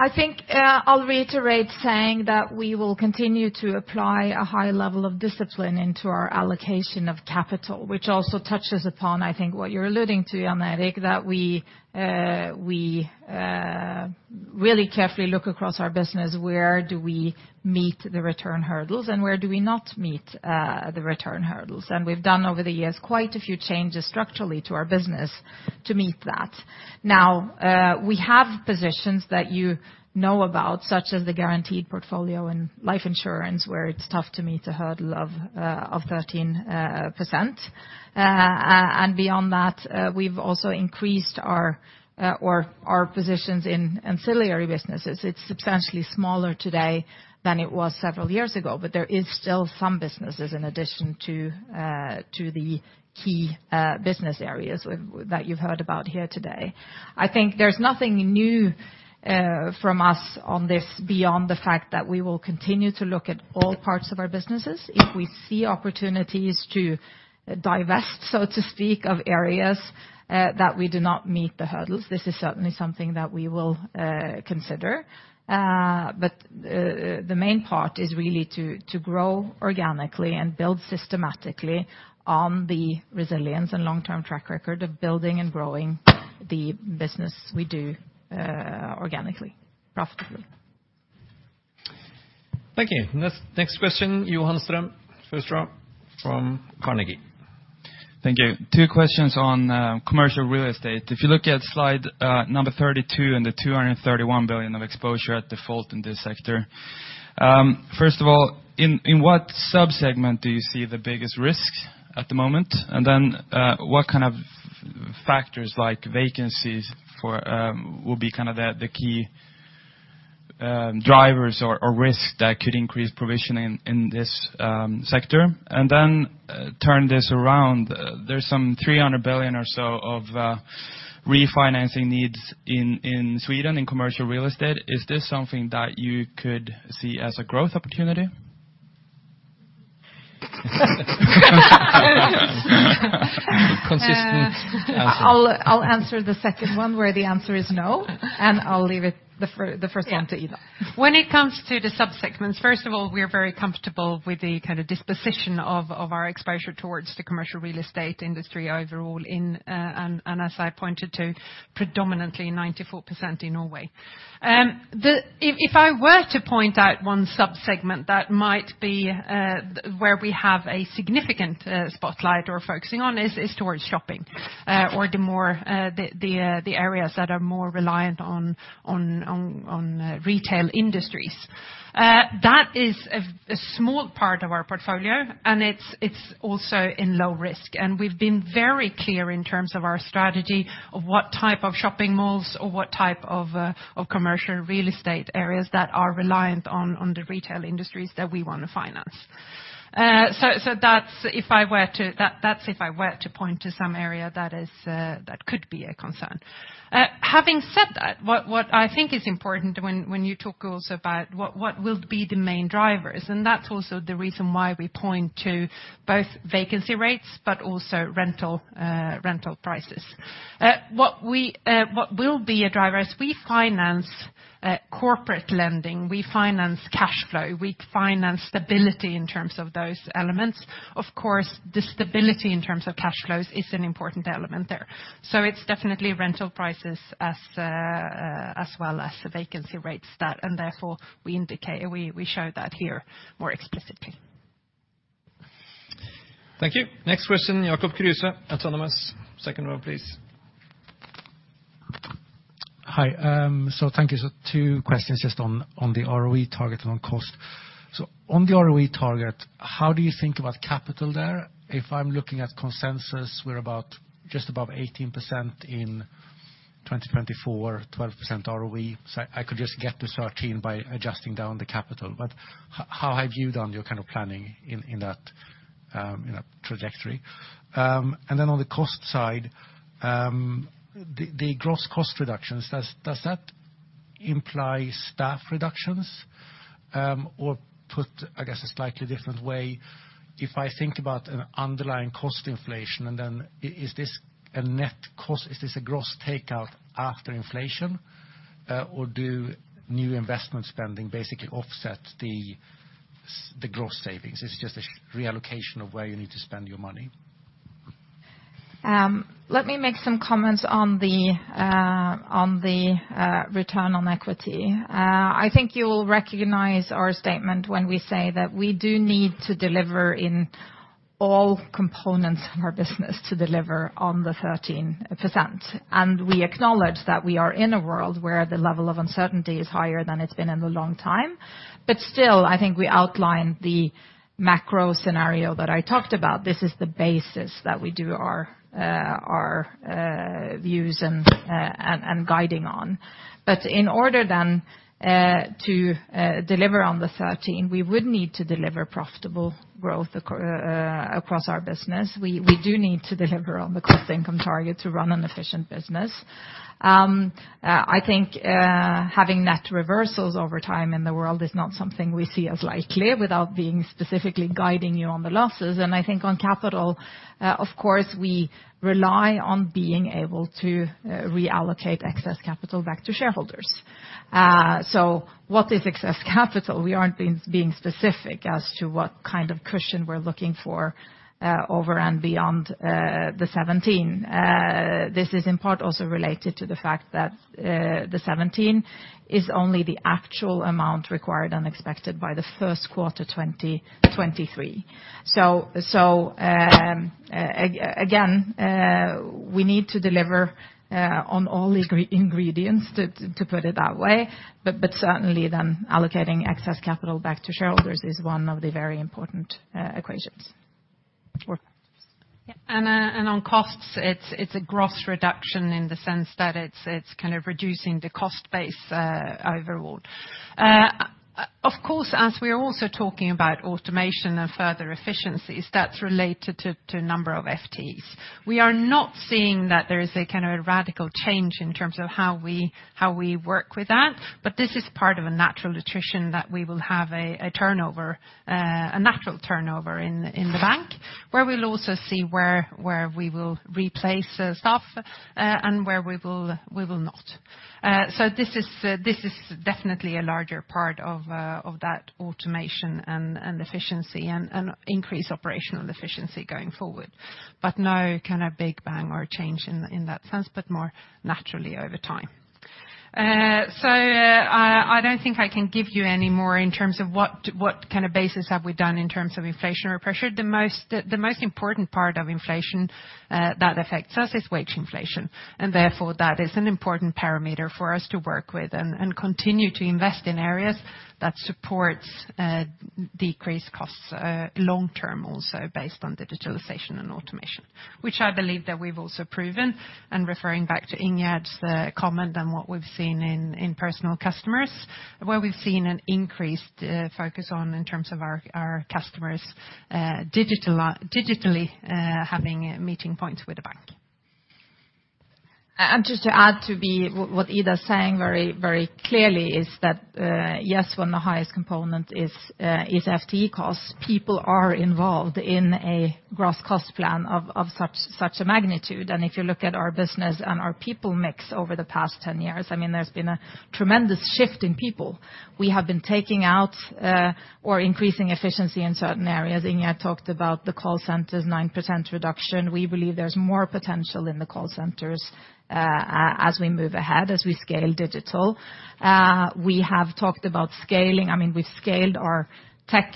I think, I'll reiterate saying that we will continue to apply a high level of discipline into our allocation of capital, which also touches upon, I think, what you're alluding to, Jan Erik, that we really carefully look across our business, where do we meet the return hurdles and where do we not meet the return hurdles? We've done over the years quite a few changes structurally to our business to meet that. Now, we have positions that you know about, such as the guaranteed portfolio in life insurance, where it's tough to meet the hurdle of 13%, and beyond that, we've also increased our positions in ancillary businesses. It's substantially smaller today than it was several years ago, but there is still some businesses in addition to the key business areas that you've heard about here today. I think there's nothing new from us on this beyond the fact that we will continue to look at all parts of our businesses. If we see opportunities to divest, so to speak, of areas that we do not meet the hurdles, this is certainly something that we will consider. But the main part is really to grow organically and build systematically on the resilience and long-term track record of building and growing the business we do organically, profitably. Thank you. Next question, Johan Ström, first row from Carnegie. Thank you. Two questions on commercial real estate. If you look at slide number 32 and the 231 billion of exposure at default in this sector, first of all, in what sub-segment do you see the biggest risk at the moment? What kind of factors like vacancies for will be kinda the key drivers or risk that could increase provisioning in this sector? Turn this around, there's some 300 billion or so of refinancing needs in Sweden in commercial real estate. Is this something that you could see as a growth opportunity? Consistent answer. I'll answer the second one where the answer is no, and I'll leave the first one to Ida. Yeah. When it comes to the sub-segments, first of all, we are very comfortable with the kinda disposition of our exposure towards the commercial real estate industry overall in and as I pointed to predominantly 94% in Norway. If I were to point out one sub-segment that might be where we have a significant spotlight or focusing on is towards shopping or the more the areas that are more reliant on retail industries. That is a small part of our portfolio, and it's also in low risk. We've been very clear in terms of our strategy of what type of shopping malls or what type of commercial real estate areas that are reliant on the retail industries that we wanna finance. That's if I were to point to some area that is that could be a concern. Having said that, what I think is important when you talk also about what will be the main drivers, and that's also the reason why we point to both vacancy rates but also rental prices. What will be a driver, as we finance corporate lending, we finance cash flow, we finance stability in terms of those elements. Of course, the stability in terms of cash flows is an important element there. It's definitely rental prices as well as the vacancy rates that, and therefore we indicate we show that here more explicitly. Thank you. Next question, Jacob Kruse, Autonomous. Second row, please. Hi. Thank you. Two questions just on the ROE target on cost. On the ROE target, how do you think about capital there? If I'm looking at consensus, we're about just above 18% in 2024, 12% ROE. I could just get to 13 by adjusting down the capital. How have you done your kind of planning in that in a trajectory? On the cost side, the gross cost reductions, does that imply staff reductions? Or put, I guess, a slightly different way, if I think about an underlying cost inflation, and then is this a net cost? Is this a gross takeout after inflation, or do new investment spending basically offset the gross savings? Is it just a reallocation of where you need to spend your money? Let me make some comments on the return on equity. I think you will recognize our statement when we say that we do need to deliver in all components of our business to deliver on the 13%. We acknowledge that we are in a world where the level of uncertainty is higher than it's been in a long time. I think we outlined the macro scenario that I talked about. This is the basis that we do our views and guiding on. In order then to deliver on the 13, we would need to deliver profitable growth across our business. We do need to deliver on the cost income target to run an efficient business. I think having net reversals over time in the world is not something we see as likely without being specifically guiding you on the losses. I think on capital, of course, we rely on being able to reallocate excess capital back to shareholders. What is excess capital? We aren't being specific as to what kind of cushion we're looking for, over and beyond the 17%. This is in part also related to the fact that the 17% is only the actual amount required under SREP by the first quarter 2023. We need to deliver on all ingredients, to put it that way. Certainly then allocating excess capital back to shareholders is one of the very important equations or factors. Yeah, on costs, it's a gross reduction in the sense that it's kind of reducing the cost base overall. Of course, as we are also talking about automation and further efficiencies, that's related to the number of FTEs. We are not seeing that there is a kind of radical change in terms of how we work with that, but this is part of a natural attrition that we will have a natural turnover in the bank, where we'll also see where we will replace staff and where we will not. This is definitely a larger part of that automation and efficiency and increased operational efficiency going forward. No kind of big bang or change in that sense, but more naturally over time. I don't think I can give you any more in terms of what kind of basis have we done in terms of inflationary pressure. The most important part of inflation that affects us is wage inflation. Therefore, that is an important parameter for us to work with and continue to invest in areas that supports decreased costs long term also based on digitalization and automation, which I believe that we've also proven. Referring back to Ingjerd's comment on what we've seen in personal customers, where we've seen an increased focus on in terms of our customers digitally having meeting points with the bank. Just to add to what Ida is saying very, very clearly is that, yes, one of the highest components is FTE costs. People are involved in a gross cost plan of such a magnitude. If you look at our business and our people mix over the past 10 years, I mean, there's been a tremendous shift in people. We have been taking out or increasing efficiency in certain areas. Ingjerd talked about the call centers, 9% reduction. We believe there's more potential in the call centers as we move ahead, as we scale digital. We have talked about scaling. I mean, we've scaled our tech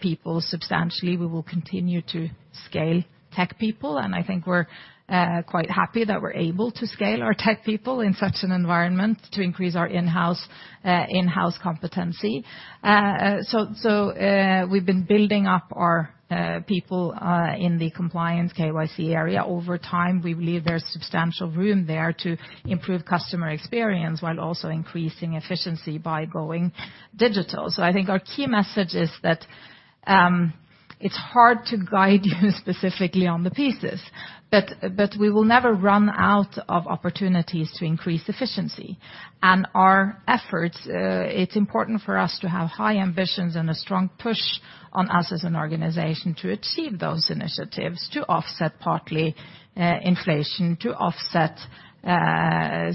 people substantially. We will continue to scale tech people, and I think we're quite happy that we're able to scale our tech people in such an environment to increase our in-house competency. We've been building up our people in the compliance KYC area over time. We believe there's substantial room there to improve customer experience while also increasing efficiency by going digital. I think our key message is that it's hard to guide you specifically on the pieces, but we will never run out of opportunities to increase efficiency. Our efforts, it's important for us to have high ambitions and a strong push on us as an organization to achieve those initiatives to offset partly inflation, to offset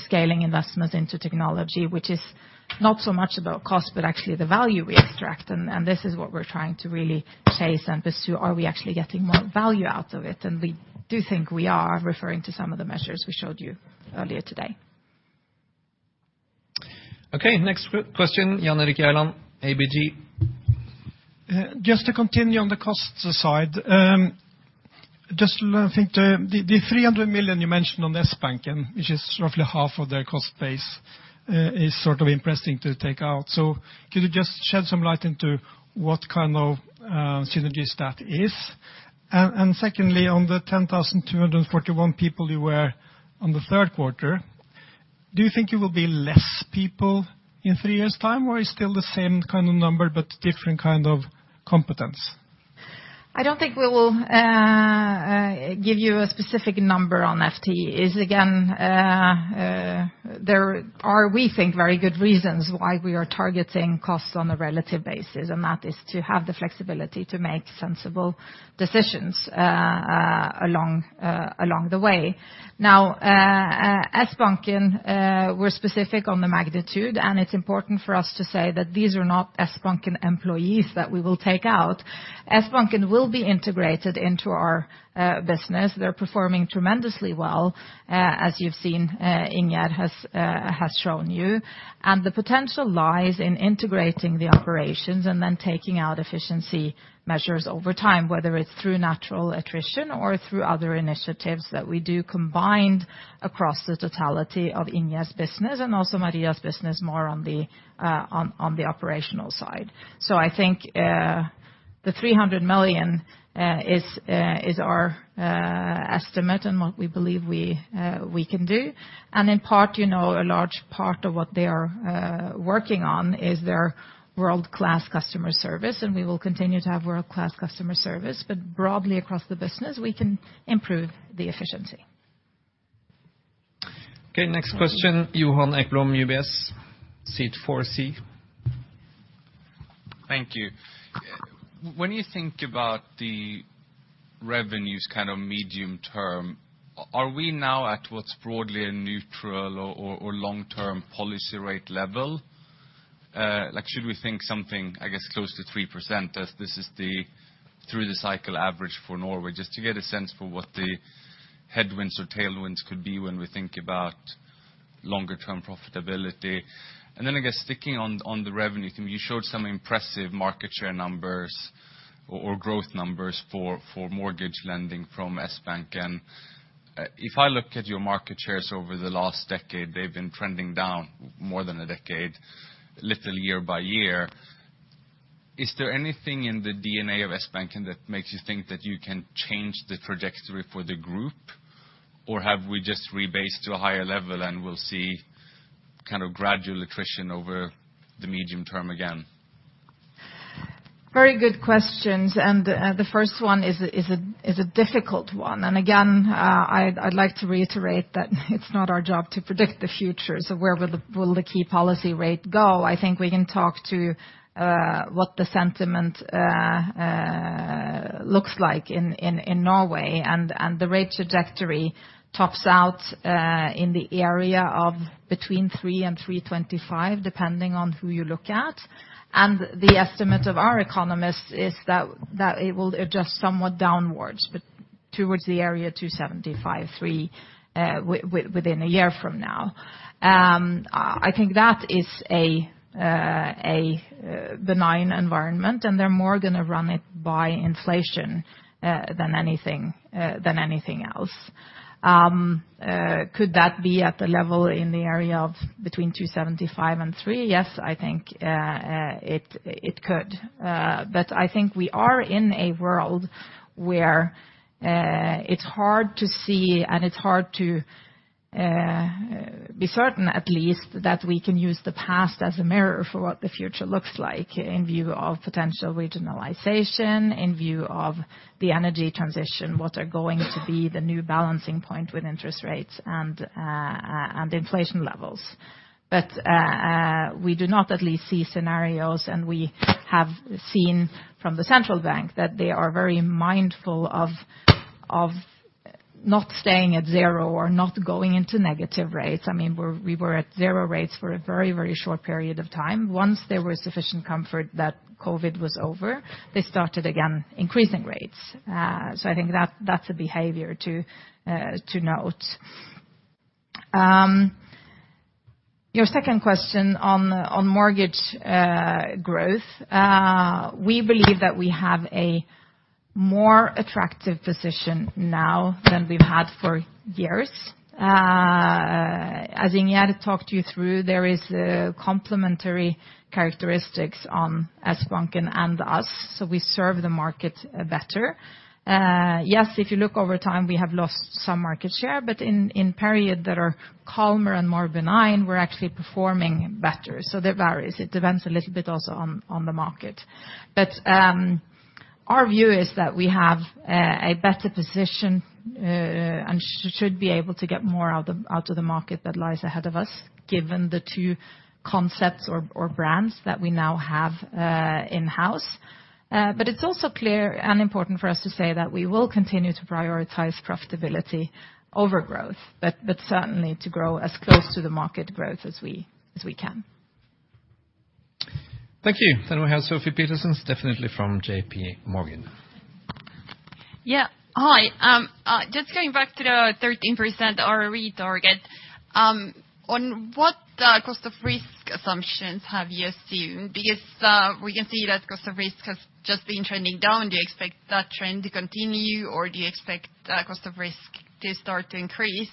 scaling investments into technology, which is not so much about cost, but actually the value we extract. This is what we're trying to really chase and pursue. Are we actually getting more value out of it? We do think we are referring to some of the measures we showed you earlier today. Okay, next question, Jan Erik Gjerland, ABG. Just to continue on the costs aside, just think the 300 million you mentioned on Sbanken, which is roughly half of their cost base, is sort of interesting to take out. Could you just shed some light into what kind of synergies that is? Secondly, on the 10,241 people you were on the third quarter, do you think it will be less people in three years' time, or it's still the same kind of number but different kind of competence? I don't think we will give you a specific number on FTE. It's again, there are, we think, very good reasons why we are targeting costs on a relative basis, and that is to have the flexibility to make sensible decisions along the way. Now, Sbanken, we're specific on the magnitude, and it's important for us to say that these are not Sbanken employees that we will take out. Sbanken will be integrated into our business. They're performing tremendously well, as you've seen, Ingjerd has shown you. The potential lies in integrating the operations and then taking out efficiency measures over time, whether it's through natural attrition or through other initiatives that we do combined across the totality of Ingjerd's business and also Maria's business more on the operational side. I think the 300 million is our estimate and what we believe we can do. In part, you know, a large part of what they are working on is their world-class customer service, and we will continue to have world-class customer service. Broadly across the business, we can improve the efficiency. Okay, next question, Johan Ekblom, UBS, seat 4C. Thank you. When you think about the revenues kind of medium term, are we now at what's broadly a neutral or long-term policy rate level? Like should we think something, I guess, close to 3% as this is the through the cycle average for Norway, just to get a sense for what the headwinds or tailwinds could be when we think about longer term profitability? I guess sticking on the revenue, can you show some impressive market share numbers or growth numbers for mortgage lending from Sbanken? If I look at your market shares over the last decade, they've been trending down for more than a decade, little by little year by year. Is there anything in the DNA of Sbanken that makes you think that you can change the trajectory for the group? Have we just rebased to a higher level and we'll see kind of gradual attrition over the medium term again? Very good questions, the first one is a difficult one. Again, I'd like to reiterate that it's not our job to predict the future, so where will the key policy rate go? I think we can talk about what the sentiment looks like in Norway, and the rate trajectory tops out in the area of between 3% and 3.25%, depending on who you look at. The estimate of our economists is that it will adjust somewhat downwards, but towards the area 2.75%-3% within a year from now. I think that is a benign environment, and it's more gonna be run by inflation than anything else. Could that be at the level in the area of between 2.75 and 3%? Yes, I think it could. I think we are in a world where it's hard to see and it's hard to be certain at least that we can use the past as a mirror for what the future looks like in view of potential regionalization, in view of the energy transition, what are going to be the new balancing point with interest rates and inflation levels. We do not at least see scenarios, and we have seen from the central bank that they are very mindful of not staying at zero or not going into negative rates. I mean, we were at zero rates for a very, very short period of time. Once there was sufficient comfort that COVID was over, they started again increasing rates. I think that's a behavior to note. Your second question on mortgage growth. We believe that we have a more attractive position now than we've had for years. As Ingjerd talked you through, there is complementary characteristics on Sbanken and us, so we serve the market better. Yes, if you look over time, we have lost some market share, but in period that are calmer and more benign, we're actually performing better. That varies. It depends a little bit also on the market. Our view is that we have a better position and should be able to get more out of the market that lies ahead of us, given the two concepts or brands that we now have in-house. It's also clear and important for us to say that we will continue to prioritize profitability over growth, but certainly to grow as close to the market growth as we can. Thank you. We have Sofie Peterzens, definitely from Goldman Sachs. Yeah. Hi. Just going back to the 13% ROE target, on what cost of risk assumptions have you assumed? Because we can see that cost of risk has just been trending down. Do you expect that trend to continue, or do you expect cost of risk to start to increase?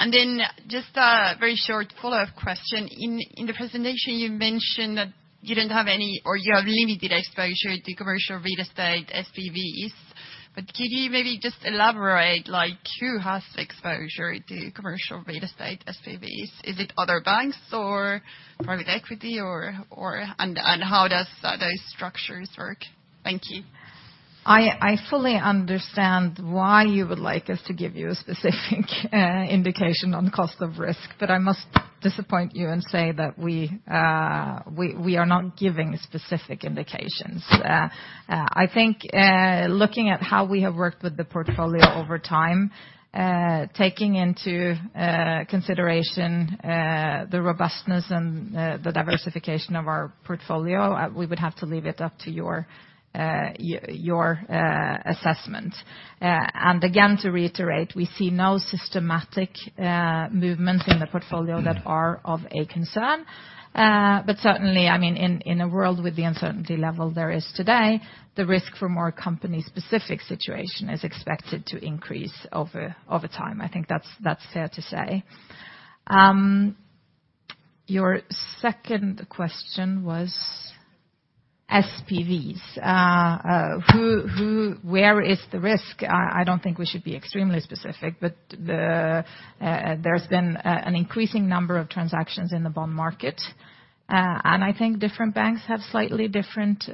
Then just a very short follow-up question. In the presentation you mentioned that you didn't have any, or you have limited exposure to commercial real estate SPVs. Could you maybe just elaborate, like, who has exposure to commercial real estate SPVs? Is it other banks or private equity? And how does those structures work? Thank you. I fully understand why you would like us to give you a specific indication on cost of risk, but I must disappoint you and say that we are not giving specific indications. I think, looking at how we have worked with the portfolio over time, taking into consideration the robustness and the diversification of our portfolio, we would have to leave it up to your assessment. Again, to reiterate, we see no systematic movements in the portfolio that are of a concern. Certainly, I mean, in a world with the uncertainty level there is today, the risk for more company-specific situations is expected to increase over time. I think that's fair to say. Your second question was SPVs. Who... Where is the risk? I don't think we should be extremely specific. There's been an increasing number of transactions in the bond market. I think different banks have slightly different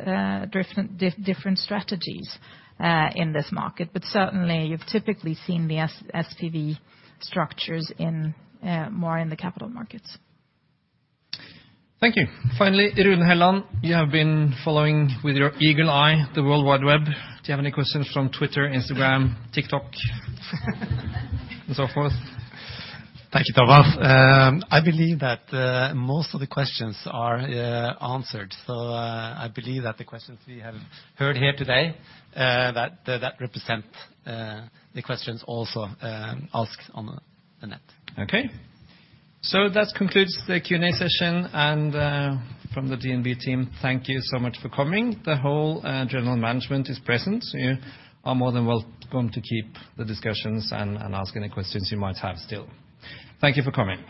strategies in this market. Certainly you've typically seen the SPV structures more in the capital markets. Thank you. Finally, Rune Helland, you have been following with your eagle eye the World Wide Web. Do you have any questions from Twitter, Instagram, TikTok and so forth? Thank you, Tobias. I believe that most of the questions are answered. I believe that the questions we have heard here today that represent the questions also asked on the net. Okay. That concludes the Q&A session, and from the DNB team, thank you so much for coming. The whole general management is present. You are more than welcome to keep the discussions and ask any questions you might have still. Thank you for coming.